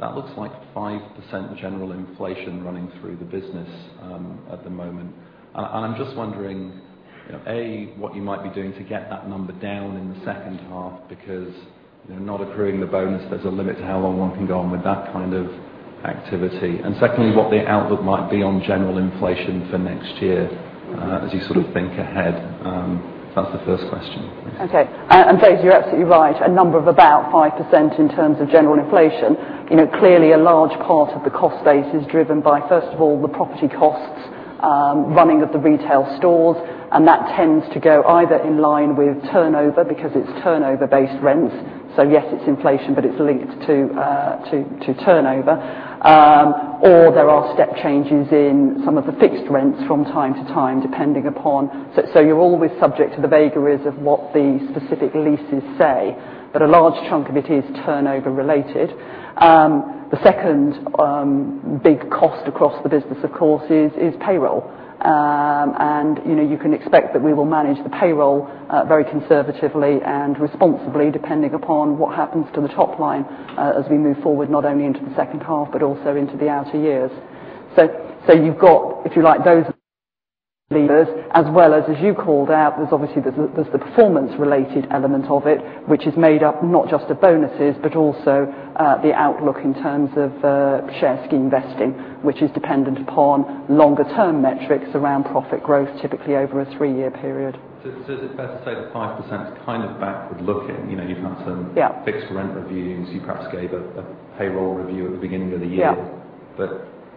that looks like 5% general inflation running through the business at the moment. I'm just wondering, A, what you might be doing to get that number down in the second half, because not accruing the bonus, there's a limit to how long one can go on with that kind of activity. Secondly, what the outlook might be on general inflation for next year as you sort of think ahead. That's the first question. Okay. Fraser, you're absolutely right. A number of about 5% in terms of general inflation. Clearly a large part of the cost base is driven by, first of all, the property costs, running of the retail stores, and that tends to go either in line with turnover because it's turnover-based rents. Yes, it's inflation, but it's linked to turnover. Or there are step changes in some of the fixed rents from time to time. You're always subject to the vagaries of what the specific leases say. But a large chunk of it is turnover related. The second big cost across the business, of course, is payroll. You can expect that we will manage the payroll very conservatively and responsibly, depending upon what happens to the top line as we move forward, not only into the second half, but also into the outer years. You've got, if you like, those levers, as well as you called out, there's obviously the performance-related element of it, which is made up not just of bonuses, but also the outlook in terms of share scheme vesting, which is dependent upon longer term metrics around profit growth, typically over a three-year period. Is it fair to say the 5% is kind of backward looking? You've had some- Yeah fixed rent reviews. You perhaps gave a payroll review at the beginning of the year. Yeah. as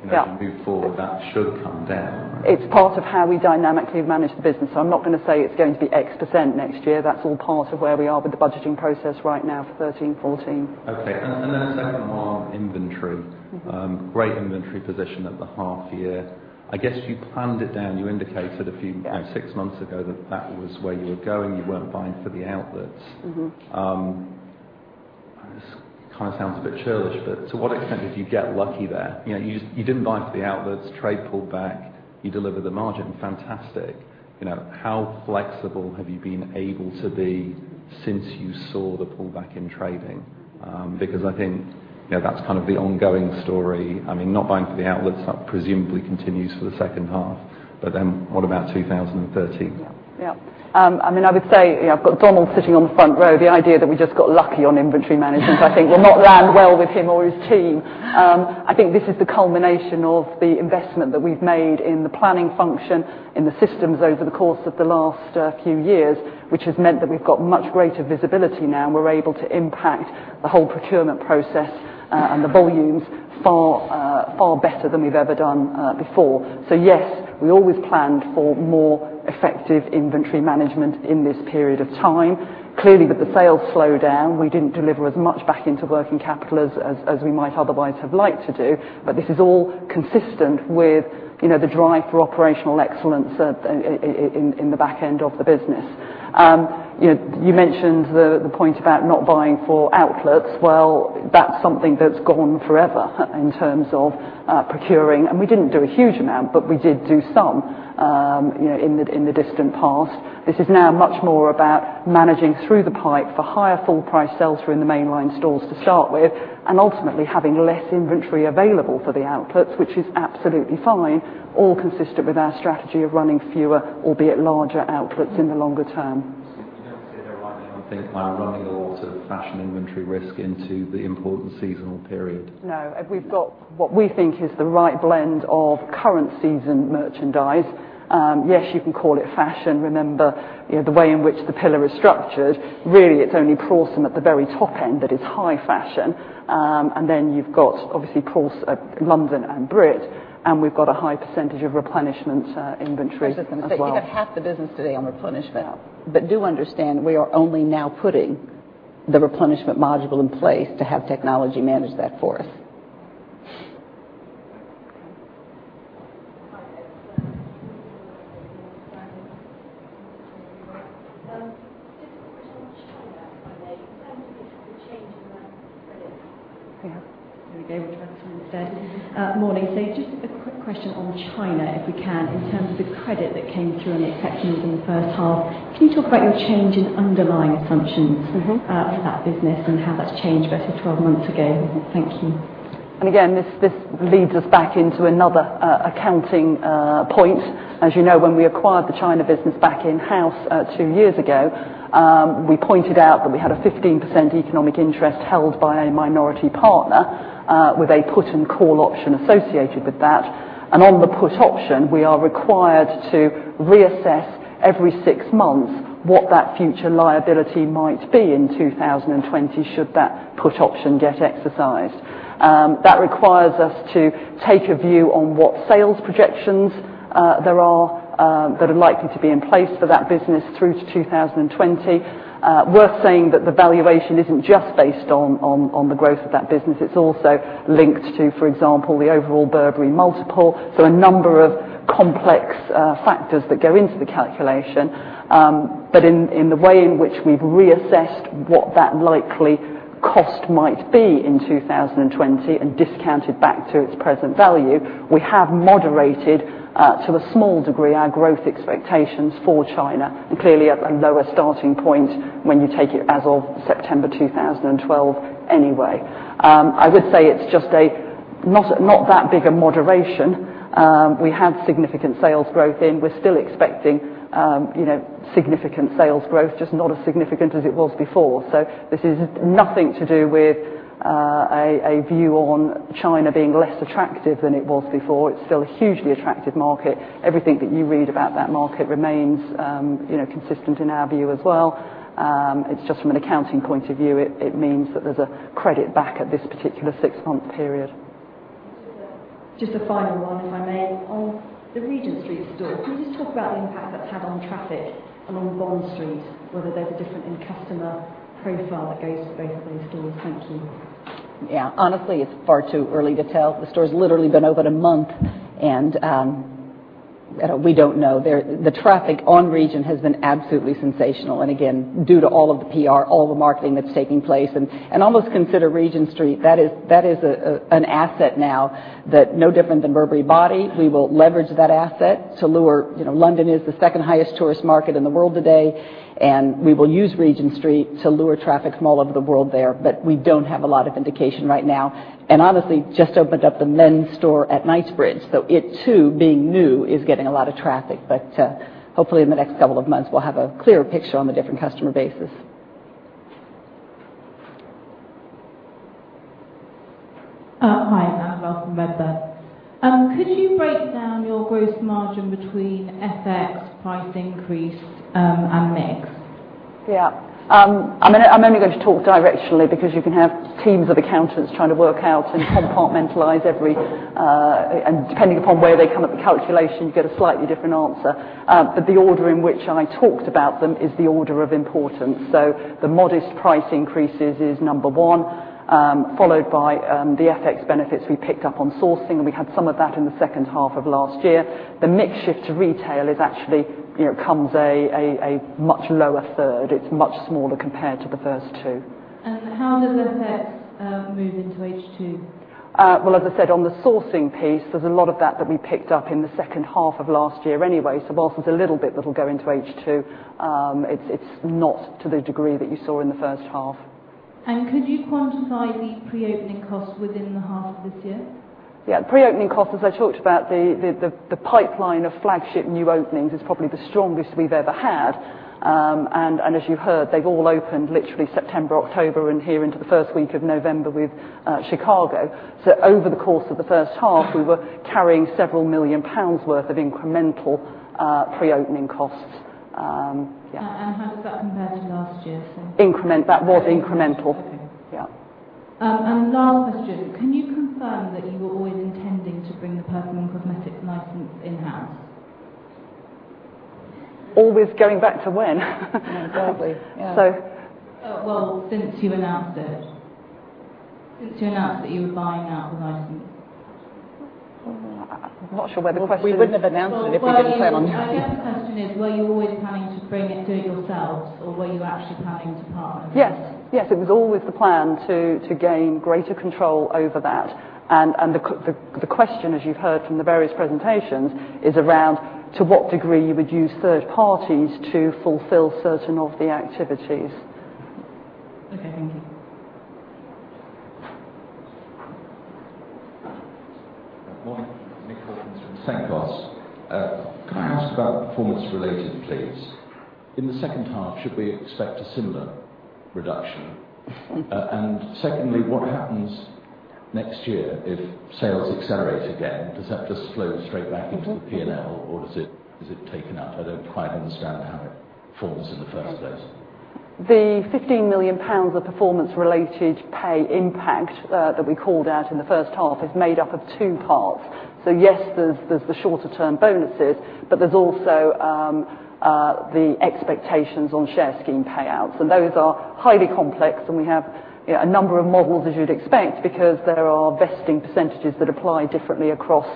you move forward, that should come down. It's part of how we dynamically have managed the business. I'm not going to say it's going to be X% next year. That's all part of where we are with the budgeting process right now for 2013-2014. Okay. A second one on inventory. Great inventory position at the half year. I guess you planned it down. You indicated a few- Yeah six months ago that that was where you were going. You weren't buying for the outlets. This sounds a bit churlish, to what extent did you get lucky there? You didn't buy for the outlets, trade pulled back, you delivered the margin. Fantastic. How flexible have you been able to be since you saw the pullback in trading? I think, that's the ongoing story. Not buying for the outlets, that presumably continues for the second half, what about 2013? I would say, I've got Donald sitting on the front row. The idea that we just got lucky on inventory management, I think will not land well with him or his team. I think this is the culmination of the investment that we've made in the planning function, in the systems over the course of the last few years, which has meant that we've got much greater visibility now, and we're able to impact the whole procurement process, and the volumes far better than we've ever done before. Yes, we always planned for more effective inventory management in this period of time. Clearly, with the sales slowdown, we didn't deliver as much back into working capital as we might otherwise have liked to do. This is all consistent with the drive for operational excellence in the back end of the business. You mentioned the point about not buying for outlets. That's something that's gone forever in terms of procuring, we didn't do a huge amount, we did do some in the distant past. This is now much more about managing through the pipe for higher full price sales through in the mainline stores to start with, ultimately having less inventory available for the outlets, which is absolutely fine. All consistent with our strategy of running fewer, albeit larger outlets in the longer term. You don't see there right now, I think, running a lot of fashion inventory risk into the important seasonal period. We've got what we think is the right blend of current season merchandise. You can call it fashion. The way in which the pillar is structured, really, it's only Prorsum at the very top end that is high fashion. Then you've got, obviously, London and Burberry Brit, we've got a high percentage of replenishment inventory as well. You've got half the business today on replenishment. Yeah. Do understand, we are only now putting the replenishment module in place to have technology manage that for us. Hi, there. Just a quick question on China, if I may. In terms of the change in the credit. Here we go. We'll try this one instead. Morning. Just a quick question on China, if we can, in terms of the credit that came through and it affected you in the first half. Can you talk about your change in underlying assumptions- for that business and how that's changed versus 12 months ago? Thank you. Again, this leads us back into another accounting point. As you know, when we acquired the China business back in-house 2 years ago, we pointed out that we had a 15% economic interest held by a minority partner with a put and call option associated with that. On the put option, we are required to reassess every 6 months what that future liability might be in 2020 should that put option get exercised. That requires us to take a view on what sales projections there are that are likely to be in place for that business through to 2020. Worth saying that the valuation isn't just based on the growth of that business. It's also linked to, for example, the overall Burberry multiple, so a number of complex factors that go into the calculation. In the way in which we've reassessed what that likely cost might be in 2020 and discounted back to its present value, we have moderated to a small degree our growth expectations for China, and clearly at a lower starting point when you take it as of September 2012 anyway. I would say it's just not that big a moderation. We had significant sales growth. We're still expecting significant sales growth, just not as significant as it was before. This is nothing to do with a view on China being less attractive than it was before. It's still a hugely attractive market. Everything that you read about that market remains consistent in our view as well. It's just from an accounting point of view, it means that there's a credit back at this particular six-month period. Just a final one, if I may. On the Regent Street store, can you just talk about the impact that's had on traffic along Bond Street, whether there's a difference in customer profile that goes to both of those stores? Thank you. Yeah, honestly, it's far too early to tell. The store's literally been open a month, and we don't know. The traffic on Regent has been absolutely sensational, and again, due to all of the PR, all the marketing that's taking place. Almost consider Regent Street, that is an asset now that no different than Burberry Body. We will leverage that asset to lure, London is the second highest tourist market in the world today, and we will use Regent Street to lure traffic from all over the world there. We don't have a lot of indication right now. Honestly, just opened up the men's store at Knightsbridge, so it too, being new, is getting a lot of traffic. Hopefully in the next couple of months, we'll have a clearer picture on the different customer bases. Hi, it's Annabelle from Redburn. Could you break down your gross margin between FX price increase and mix? Yeah. I'm only going to talk directionally because you can have teams of accountants trying to work out and compartmentalize every, and depending upon where they come at the calculation, you get a slightly different answer. The order in which I talked about them is the order of importance. The modest price increases is number one, followed by the FX benefits we picked up on sourcing, and we had some of that in the second half of last year. The mix shift to retail actually comes a much lower third. It's much smaller compared to the first two. How does FX move into H2? Well, as I said, on the sourcing piece, there's a lot of that that we picked up in the second half of last year anyway. Whilst there's a little bit that'll go into H2, it's not to the degree that you saw in the first half. Could you quantify the pre-opening costs within the half this year? Yeah. Pre-opening costs, as I talked about, the pipeline of flagship new openings is probably the strongest we've ever had. As you heard, they've all opened literally September, October, and here into the first week of November with Chicago. Over the course of the first half, we were carrying several million GBP worth of incremental pre-opening costs. Yeah. How does that compare to last year's then? That was incremental. Okay. Yeah. Last question. Can you confirm that you were always intending to bring the perfume and cosmetics license in-house? Always, going back to when? Exactly, yeah. So Well, since you announced it. Since you announced that you were buying out the license. I'm not sure where the question- We wouldn't have announced it if we didn't plan. Well, I guess the question is, were you always planning to bring it to yourselves, or were you actually planning to partner? Yes. It was always the plan to gain greater control over that. The question, as you've heard from the various presentations, is around to what degree you would use third parties to fulfill certain of the activities. Okay, thank you. Good morning. Nick Hawkins from Centaurus. Can I ask about performance related, please? In the second half, should we expect a similar reduction? Secondly, what happens next year if sales accelerate again? Does that just flow straight back into the P&L, or is it taken out? I don't quite understand how it forms in the first place. The 15 million pounds of performance-related pay impact that we called out in the first half is made up of two parts. Yes, there's the shorter term bonuses, but there's also the expectations on share scheme payouts, those are highly complex. We have a number of models, as you'd expect, because there are vesting percentages that apply differently across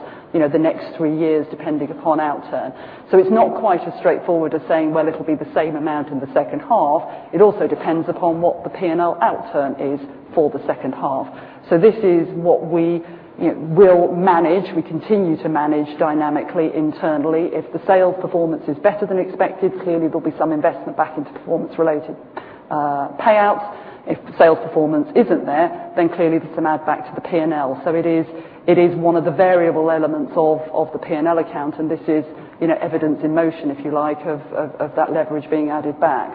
the next three years, depending upon outturn. It's not quite as straightforward as saying, well, it'll be the same amount in the second half. It also depends upon what the P&L outturn is for the second half. This is what we will manage. We continue to manage dynamically, internally. If the sales performance is better than expected, clearly there'll be some investment back into performance-related payouts. If the sales performance isn't there, clearly there's some add back to the P&L. It is one of the variable elements of the P&L account, this is evidence in motion, if you like, of that leverage being added back.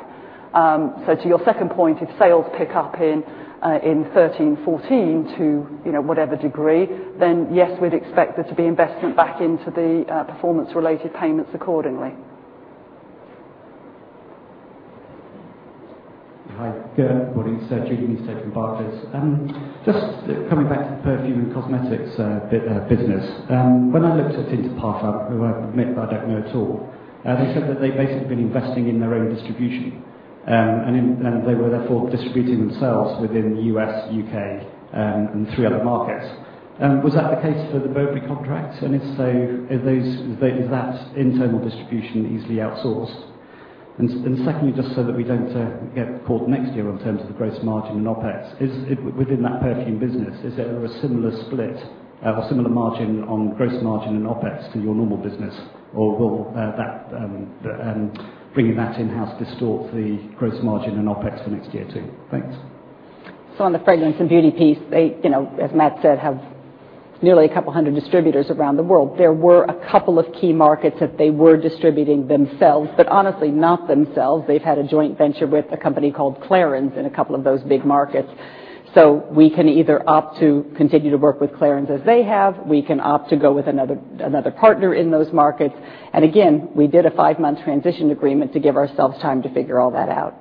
To your second point, if sales pick up in 2013-2014 to whatever degree, yes, we'd expect there to be investment back into the performance-related payments accordingly. Hi. Good morning, sir. Julian Stote from Barclays. Just coming back to the perfume and cosmetics business. When I looked at Inter Parfums, who I admit that I don't know at all, they said that they basically have been investing in their own distribution. They were therefore distributing themselves within the U.S., U.K., and three other markets. Was that the case for the Burberry contract? If so, is that internal distribution easily outsourced? Secondly, just so that we don't get caught next year on terms of the gross margin and OpEx, within that perfume business, is there a similar split or similar margin on gross margin and OpEx to your normal business? Will bringing that in-house distort the gross margin and OpEx for next year, too? Thanks. On the fragrance and beauty piece, they, as Matt said, have nearly 200 distributors around the world. There were a couple of key markets that they were distributing themselves, but honestly, not themselves. They have had a joint venture with a company called Clarins in a couple of those big markets. We can either opt to continue to work with Clarins as they have, we can opt to go with another partner in those markets. Again, we did a 5-month transition agreement to give ourselves time to figure all that out.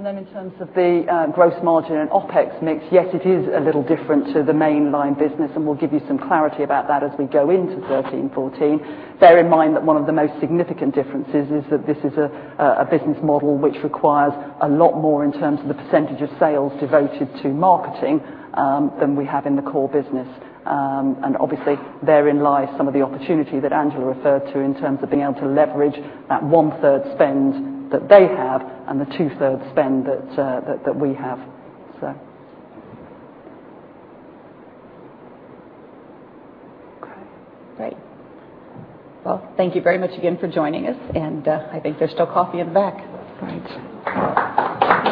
In terms of the gross margin and OpEx mix, yes, it is a little different to the mainline business, and we will give you some clarity about that as we go into 2013-2014. Bear in mind that one of the most significant differences is that this is a business model which requires a lot more in terms of the percentage of sales devoted to marketing than we have in the core business. Obviously, therein lies some of the opportunity that Angela referred to in terms of being able to leverage that one-third spend that they have and the two-thirds spend that we have. Okay, great. Well, thank you very much again for joining us, I think there is still coffee at the back. Great.